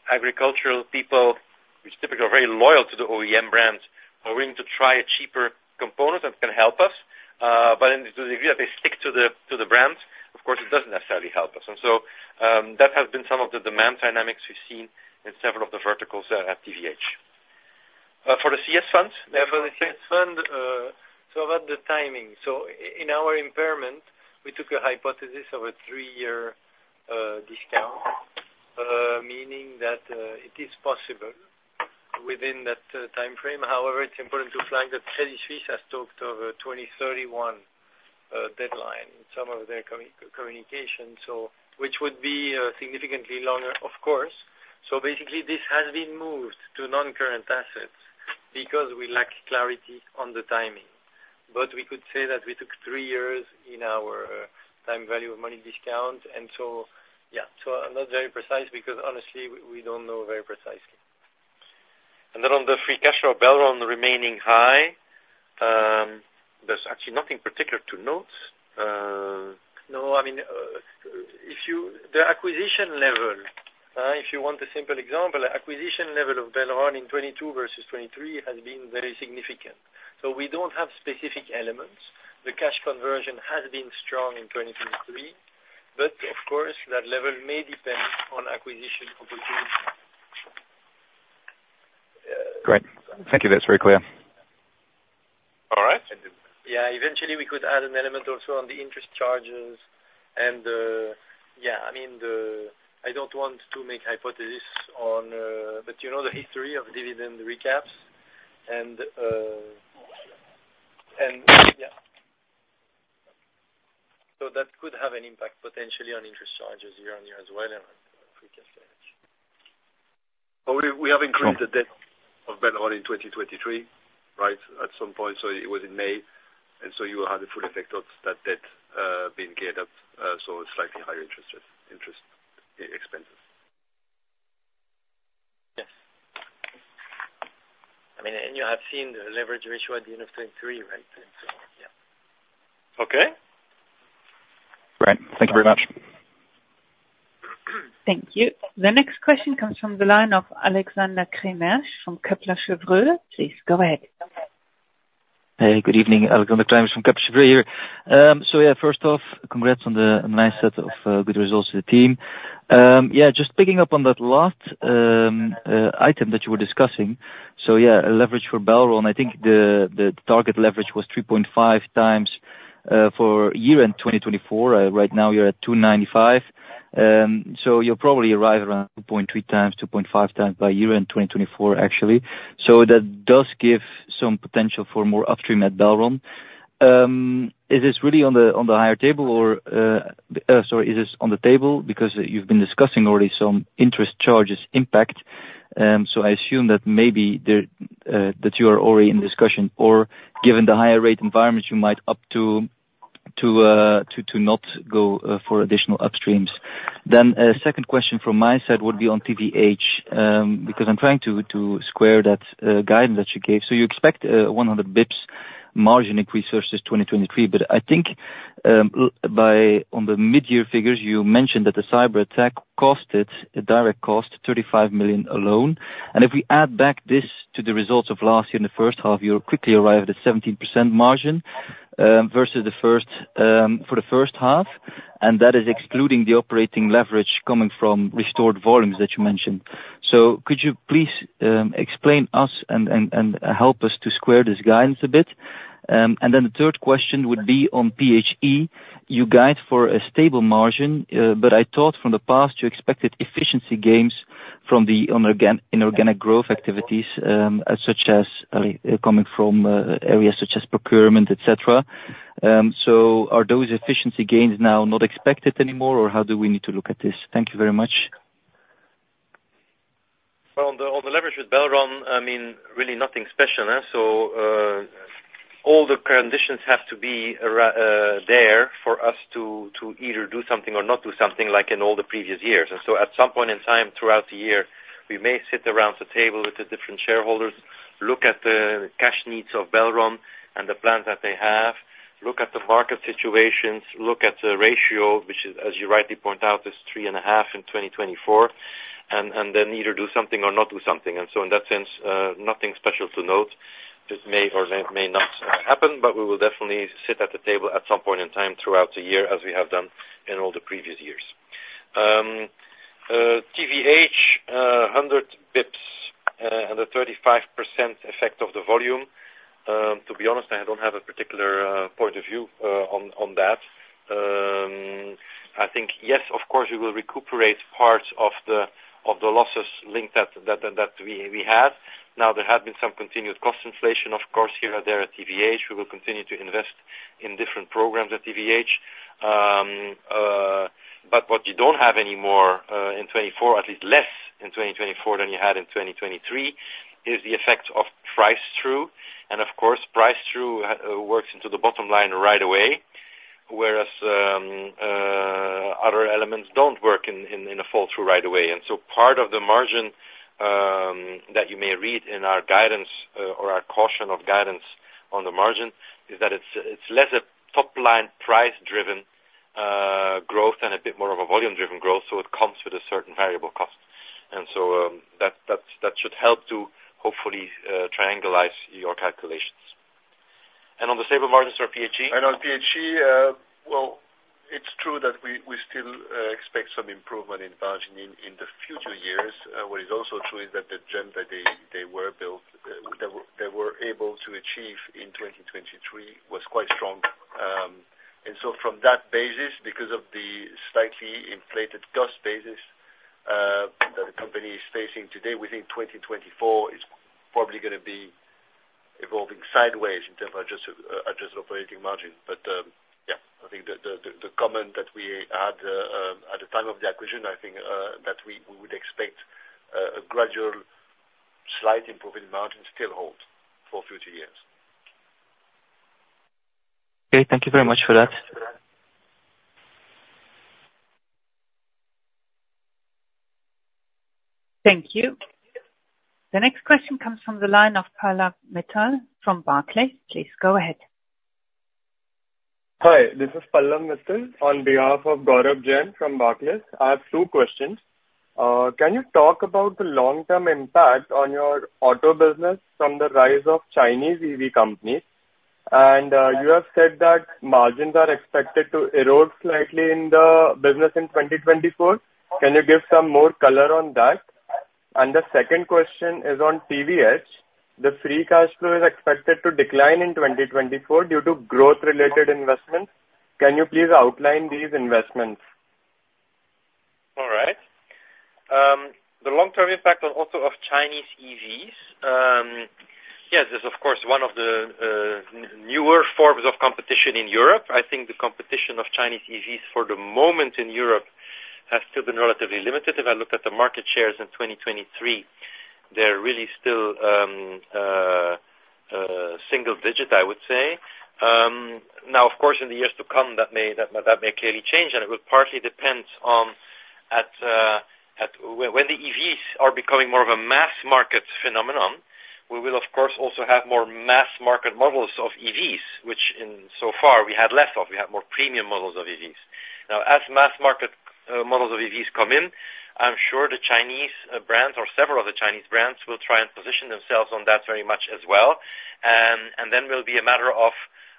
agricultural people, which typically are very loyal to the OEM brands, are willing to try a cheaper component that can help us, but in the degree that they stick to the, to the brands, of course, it doesn't necessarily help us. And so, that has been some of the demand dynamics we've seen in several of the verticals, at TVH. For the CS funds? Yeah, for the CS fund, so about the timing. So in our impairment, we took a hypothesis of a three-year discount, meaning that it is possible within that time frame. However, it's important to flag that Credit Suisse has talked of a 2031 deadline in some of their communication, so which would be significantly longer, of course. So basically this has been moved to non-current assets, because we lack clarity on the timing. But we could say that we took three years in our time value of money discount, and so, yeah, so I'm not very precise because honestly, we don't know very precisely. And then, on the free cash flow, Belron remaining high?... particular to notes. No, I mean, if you want a simple example, acquisition level of Belron in 2022 versus 2023 has been very significant. So we don't have specific elements. The cash conversion has been strong in 2023, but of course, that level may depend on acquisition opportunities. Great. Thank you. That's very clear. All right. Yeah. Eventually, we could add an element also on the interest charges and, yeah, I mean, I don't want to make hypotheses on, but you know the history of dividend recaps and, and, yeah. So that could have an impact potentially on interest charges year-on-year as well, and on free cash flow. But we have increased the debt of Belron in 2023, right, at some point, so it was in May, and so you will have the full effect of that debt being geared up, so slightly higher interest expenses. Yes. I mean, and you have seen the leverage ratio at the end of 2023, right? And so, yeah. Okay. Great. Thank you very much. Thank you. The next question comes from the line of Alexander Cremers from Kepler Cheuvreux. Please, go ahead. Hey, good evening, Alexander Cremers from Kepler Cheuvreux here. So yeah, first off, congrats on the nice set of good results to the team. Yeah, just picking up on that last item that you were discussing. So, yeah, leverage for Belron, I think the target leverage was 3.5 times for year-end 2024. Right now, you're at 2.95. So you'll probably arrive around 2.3 times, 2.5 times by year-end 2024, actually. So that does give some potential for more upstream at Belron. Is this really on the higher table or, sorry, is this on the table? Because you've been discussing already some interest charges impact. So I assume that maybe there that you are already in discussion, or given the higher rate environment, you might opt to not go for additional upstreams. Then, second question from my side would be on TVH, because I'm trying to square that guidance that you gave. So you expect 100 basis points margin increase versus 2023. But I think on the mid-year figures, you mentioned that the cyberattack cost a direct cost, 35 million alone. And if we add back this to the results of last year, in the first half, you quickly arrive at a 17% margin versus the first half, and that is excluding the operating leverage coming from restored volumes that you mentioned. Could you please explain us and help us to square this guidance a bit? Then the third question would be on PHE. You guide for a stable margin, but I thought from the past you expected efficiency gains from the organic and inorganic growth activities, such as coming from areas such as procurement, et cetera. Are those efficiency gains now not expected anymore, or how do we need to look at this? Thank you very much. Well, on the leverage with Belron, I mean, really nothing special, eh? So, all the conditions have to be around there for us to either do something or not do something, like in all the previous years. And so at some point in time throughout the year, we may sit around the table with the different shareholders, look at the cash needs of Belron and the plans that they have, look at the market situations, look at the ratio, which is, as you rightly point out, 3.5 in 2024, and then either do something or not do something. And so in that sense, nothing special to note. It may or may not happen, but we will definitely sit at the table at some point in time throughout the year, as we have done in all the previous years. TVH, 100 basis points, and the 35% effect of the volume, to be honest, I don't have a particular point of view on that. I think, yes, of course, we will recuperate parts of the losses linked to that we have. Now, there have been some continued cost inflation, of course, here and there at TVH. We will continue to invest in different programs at TVH. But what you don't have anymore in 2024, at least less in 2024 than you had in 2023, is the effect of price through. Of course, price-through works into the bottom line right away, whereas other elements don't work in a flow-through right away. So part of the margin that you may read in our guidance or our caution of guidance on the margin is that it's less a top-line, price-driven growth and a bit more of a volume-driven growth, so it comes with a certain variable cost. So that should help to hopefully triangulate your calculations. And on the stable margins for PHE? On PHE, well, it's true that we still expect some improvement in margin in the future years. What is also true is that the jump that they were able to achieve in 2023 was quite strong. And so from that basis, because of the slightly inflated cost basis that the company is facing today, we think 2024 is probably gonna be evolving sideways in terms of adjusted operating margin. But yeah, I think the comment that we had at the time of the acquisition, I think that we would expect a gradual, slight improvement in margin still hold for future years. Okay, thank you very much for that. Thank you. The next question comes from the line of Pallav Mittal from Barclays. Please go ahead. Hi, this is Pallav Mittal on behalf of Gaurav Jain from Barclays. I have two questions. Can you talk about the long-term impact on your auto business from the rise of Chinese EV companies? And, you have said that margins are expected to erode slightly in the business in 2024. Can you give some more color on that? And the second question is on TVH. The free cash flow is expected to decline in 2024 due to growth-related investments. Can you please outline these investments? All right. The long-term impact on also of Chinese EVs. Yes, this is of course, one of the newer forms of competition in Europe. I think the competition of Chinese EVs for the moment in Europe has still been relatively limited. If I look at the market shares in 2023, they're really still single digit, I would say. Now, of course, in the years to come, that may clearly change, and it will partly depend on when the EVs are becoming more of a mass market phenomenon, we will, of course, also have more mass market models of EVs, which in so far we had less of. We have more premium models of EVs. Now, as mass market models of EVs come in, I'm sure the Chinese brands or several of the Chinese brands will try and position themselves on that very much as well. And then will be a matter of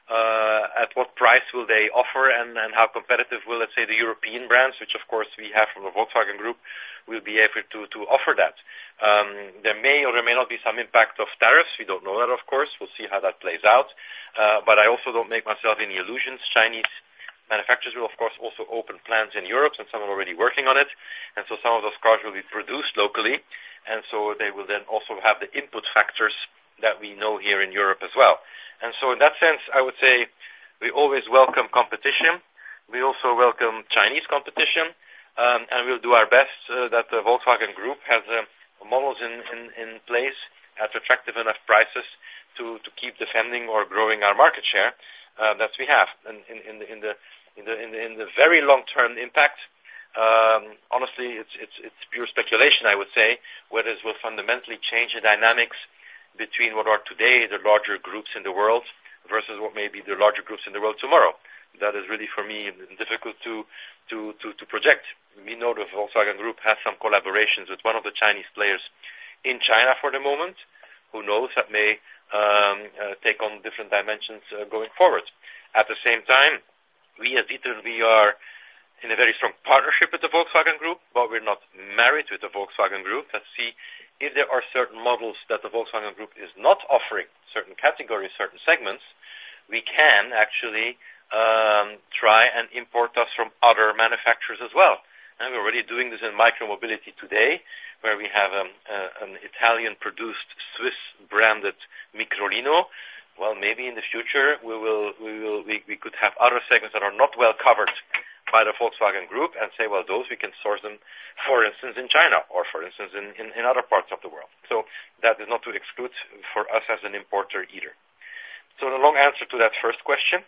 at what price will they offer and how competitive will, let's say, the European brands, which of course we have from the Volkswagen Group, will be able to offer that. There may or there may not be some impact of tariffs. We don't know that of course. We'll see how that plays out. But I also don't make myself any illusions. Chinese manufacturers will of course also open plants in Europe, and some are already working on it. Some of those cars will be produced locally, and so they will then also have the input factors that we know here in Europe as well. And so in that sense, I would say we always welcome competition. We also welcome Chinese competition, and we'll do our best that the Volkswagen Group has models in place at attractive enough prices to keep defending or growing our market share that we have. In the very long-term impact, honestly, it's pure speculation, I would say. Whether it will fundamentally change the dynamics between what are today the larger groups in the world, versus what may be the larger groups in the world tomorrow. That is really, for me, difficult to project. We know the Volkswagen Group has some collaborations with one of the Chinese players in China for the moment. Who knows, that may take on different dimensions going forward. At the same time, we as D'Ieteren, we are in a very strong partnership with the Volkswagen Group, but we're not married to the Volkswagen Group. Let's see if there are certain models that the Volkswagen Group is not offering, certain categories, certain segments, we can actually try and import those from other manufacturers as well. And we're already doing this in micro mobility today, where we have an Italian-produced Swiss-branded Microlino. Well, maybe in the future, we could have other segments that are not well covered by the Volkswagen Group and say, well, those we can source them, for instance, in China or for instance, in other parts of the world. So that is not to exclude for us as an importer either. So the long answer to that first question,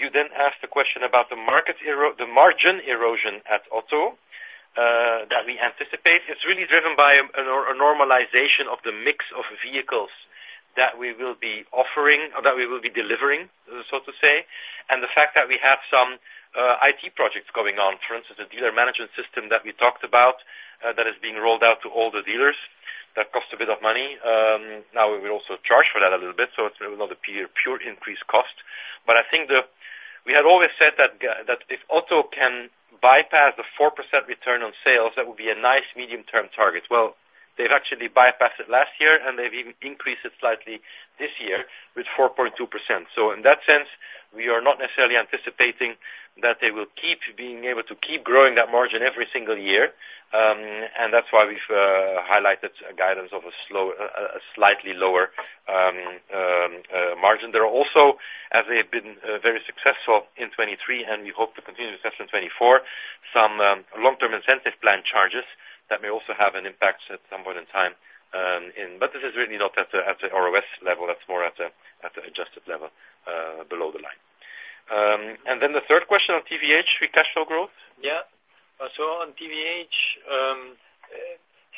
you then asked the question about the margin erosion at Auto that we anticipate. It's really driven by a normalization of the mix of vehicles that we will be offering, or that we will be delivering, so to say. And the fact that we have some IT projects going on. For instance, a dealer management system that we talked about that is being rolled out to all the dealers. That costs a bit of money. Now, we will also charge for that a little bit, so it's not a pure, pure increased cost. But I think the... We had always said that that if Auto can bypass the 4% return on sales, that would be a nice medium-term target. Well, they've actually bypassed it last year, and they've even increased it slightly this year with 4.2%. So in that sense, we are not necessarily anticipating that they will keep being able to keep growing that margin every single year. And that's why we've highlighted a guidance of a slow, a slightly lower margin. There are also, as they've been, very successful in 2023, and we hope to continue success in 2024, some, long-term incentive plan charges that may also have an impact at some point in time, in... But this is really not at the, at the ROS level. That's more at the, at the adjusted level, below the line. And then the third question on TVH, free cash flow growth? Yeah. So on TVH,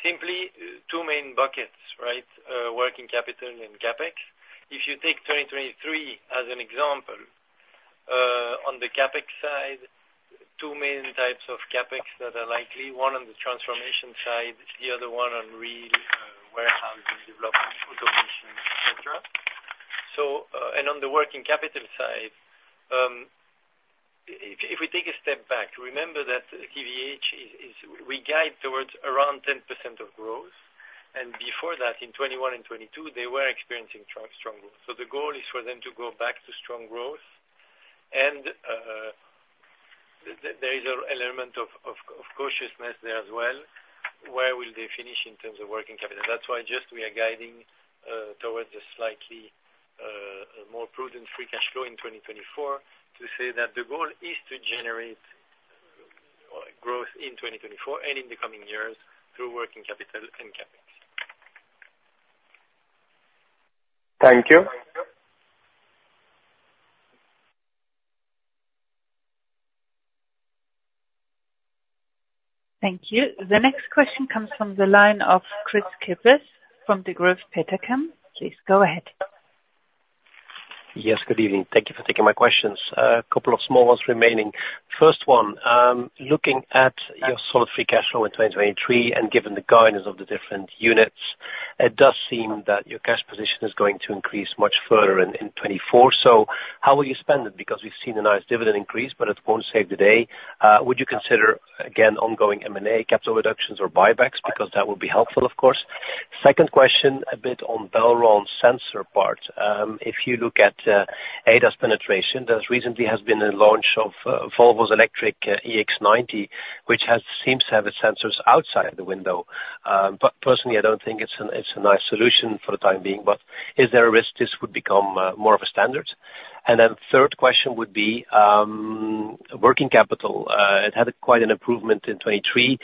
simply two main buckets, right? Working capital and CapEx. If you take 2023 as an example, on the CapEx side, two main types of CapEx that are likely. One on the transformation side, the other one on real, warehousing, development, automation, et cetera. So, and on the working capital side, if we take a step back, remember that TVH is, we guide towards around 10% of growth, and before that, in 2021 and 2022, they were experiencing strong, strong growth. So the goal is for them to go back to strong growth, and, there is an element of, of, of cautiousness there as well. Where will they finish in terms of working capital? That's why just we are guiding towards a slightly more prudent free cash flow in 2024, to say that the goal is to generate growth in 2024 and in the coming years through working capital and CapEx. Thank you. Thank you. The next question comes from the line of Kris Kippers from Degroof Petercam. Please go ahead. Yes, good evening. Thank you for taking my questions. A couple of small ones remaining. First one, looking at your solid free cash flow in 2023, and given the guidance of the different units, it does seem that your cash position is going to increase much further in 2024. So how will you spend it? Because we've seen a nice dividend increase, but it won't save the day. Would you consider, again, ongoing M&A capital reductions or buybacks? Because that would be helpful, of course. Second question, a bit on Belron sensor part. If you look at ADAS penetration, there recently has been a launch of Volvo's electric EX90, which seems to have the sensors outside the window. But personally, I don't think it's a nice solution for the time being. But is there a risk this would become more of a standard? And then third question would be working capital. It had quite an improvement in 2023.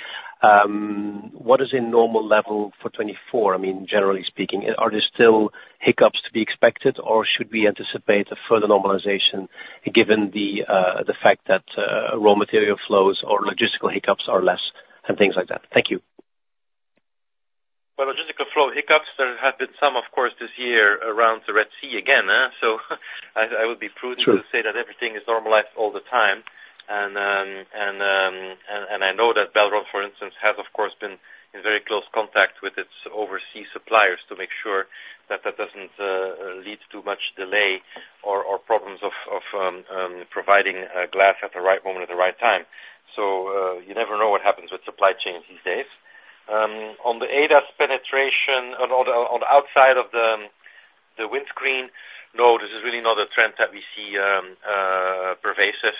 What is a normal level for 2024? I mean, generally speaking, are there still hiccups to be expected, or should we anticipate a further normalization given the fact that raw material flows or logistical hiccups are less and things like that? Thank you. Well, logistical flow hiccups, there have been some, of course, this year around the Red Sea again, so I would be prudent- Sure. To say that everything is normalized all the time. And I know that Belron, for instance, has of course been in very close contact with its overseas suppliers to make sure that that doesn't lead to much delay or problems of providing glass at the right moment, at the right time. So, you never know what happens with supply chains these days. On the ADAS penetration on the outside of the windscreen, no, this is really not a trend that we see pervasive.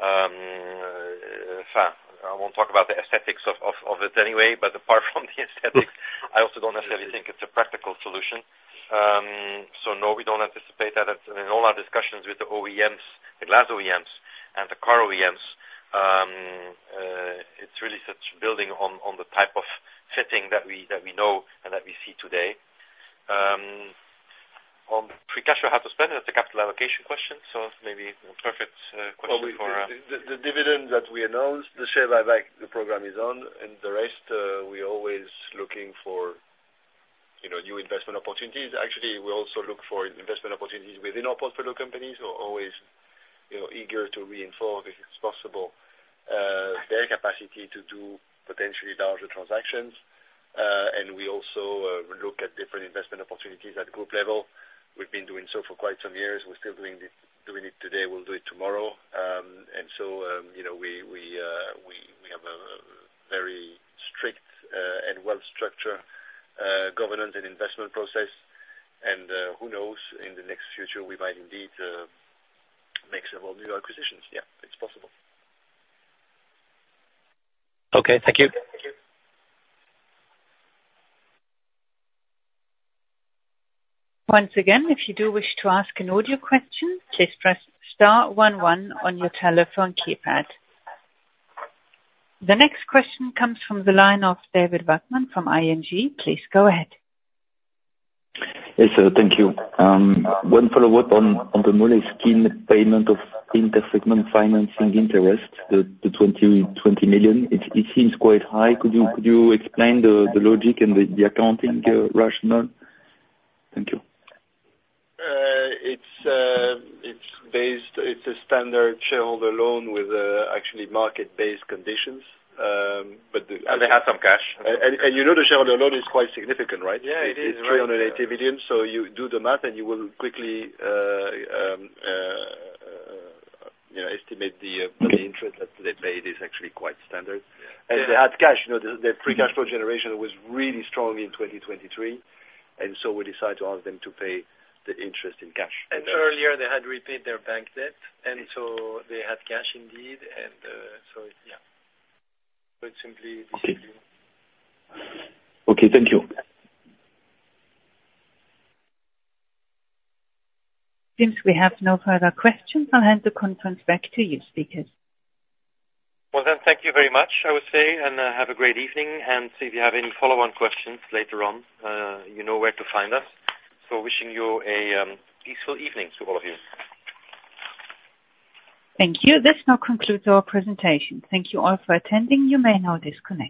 I won't talk about the aesthetics of it anyway, but apart from the aesthetics, I also don't necessarily think it's a practical solution. So no, we don't anticipate that. In all our discussions with the OEMs, the glass OEMs and the car OEMs, it's really such building on, on the type of fitting that we, that we know and that we see today. On pre-cash, how to spend it, that's a capital allocation question, so maybe perfect, question for,... The dividend that we announced, the share buyback, the program is on, and the rest, we're always looking for, you know, new investment opportunities. Actually, we also look for investment opportunities within our portfolio companies. We're always, you know, eager to reinforce, if it's possible, their capacity to do potentially larger transactions. And we also look at different investment opportunities at group level. We've been doing so for quite some years. We're still doing it, doing it today, we'll do it tomorrow. And so, you know, we have a very strict and well-structured governance and investment process. And who knows, in the next future, we might indeed make several new acquisitions. Yeah, it's possible. Okay, thank you. Once again, if you do wish to ask an audio question, please press star one one on your telephone keypad. The next question comes from the line of David Vagman from ING. Please go ahead. Yes, sir, thank you. One follow-up on the Moleskine payment of inter-segment financing interest, the 20 million. It seems quite high. Could you explain the logic and the accounting rationale? Thank you. It's based... It's a standard shareholder loan with actually market-based conditions. But- They have some cash. And you know, the shareholder loan is quite significant, right? Yeah, it is. It's 380 million, so you do the math, and you will quickly, you know, estimate the interest that they paid is actually quite standard. Yeah. They had cash, you know, the pre-cash flow generation was really strong in 2023, and so we decided to ask them to pay the interest in cash. Earlier they had repaid their bank debt, and so they had cash indeed. So yeah, quite simply. Okay. Okay, thank you. Since we have no further questions, I'll hand the conference back to you, speakers. Well, then, thank you very much, I would say, and, have a great evening, and if you have any follow-on questions later on, you know where to find us. So wishing you a peaceful evening to all of you. Thank you. This now concludes our presentation. Thank you all for attending. You may now disconnect.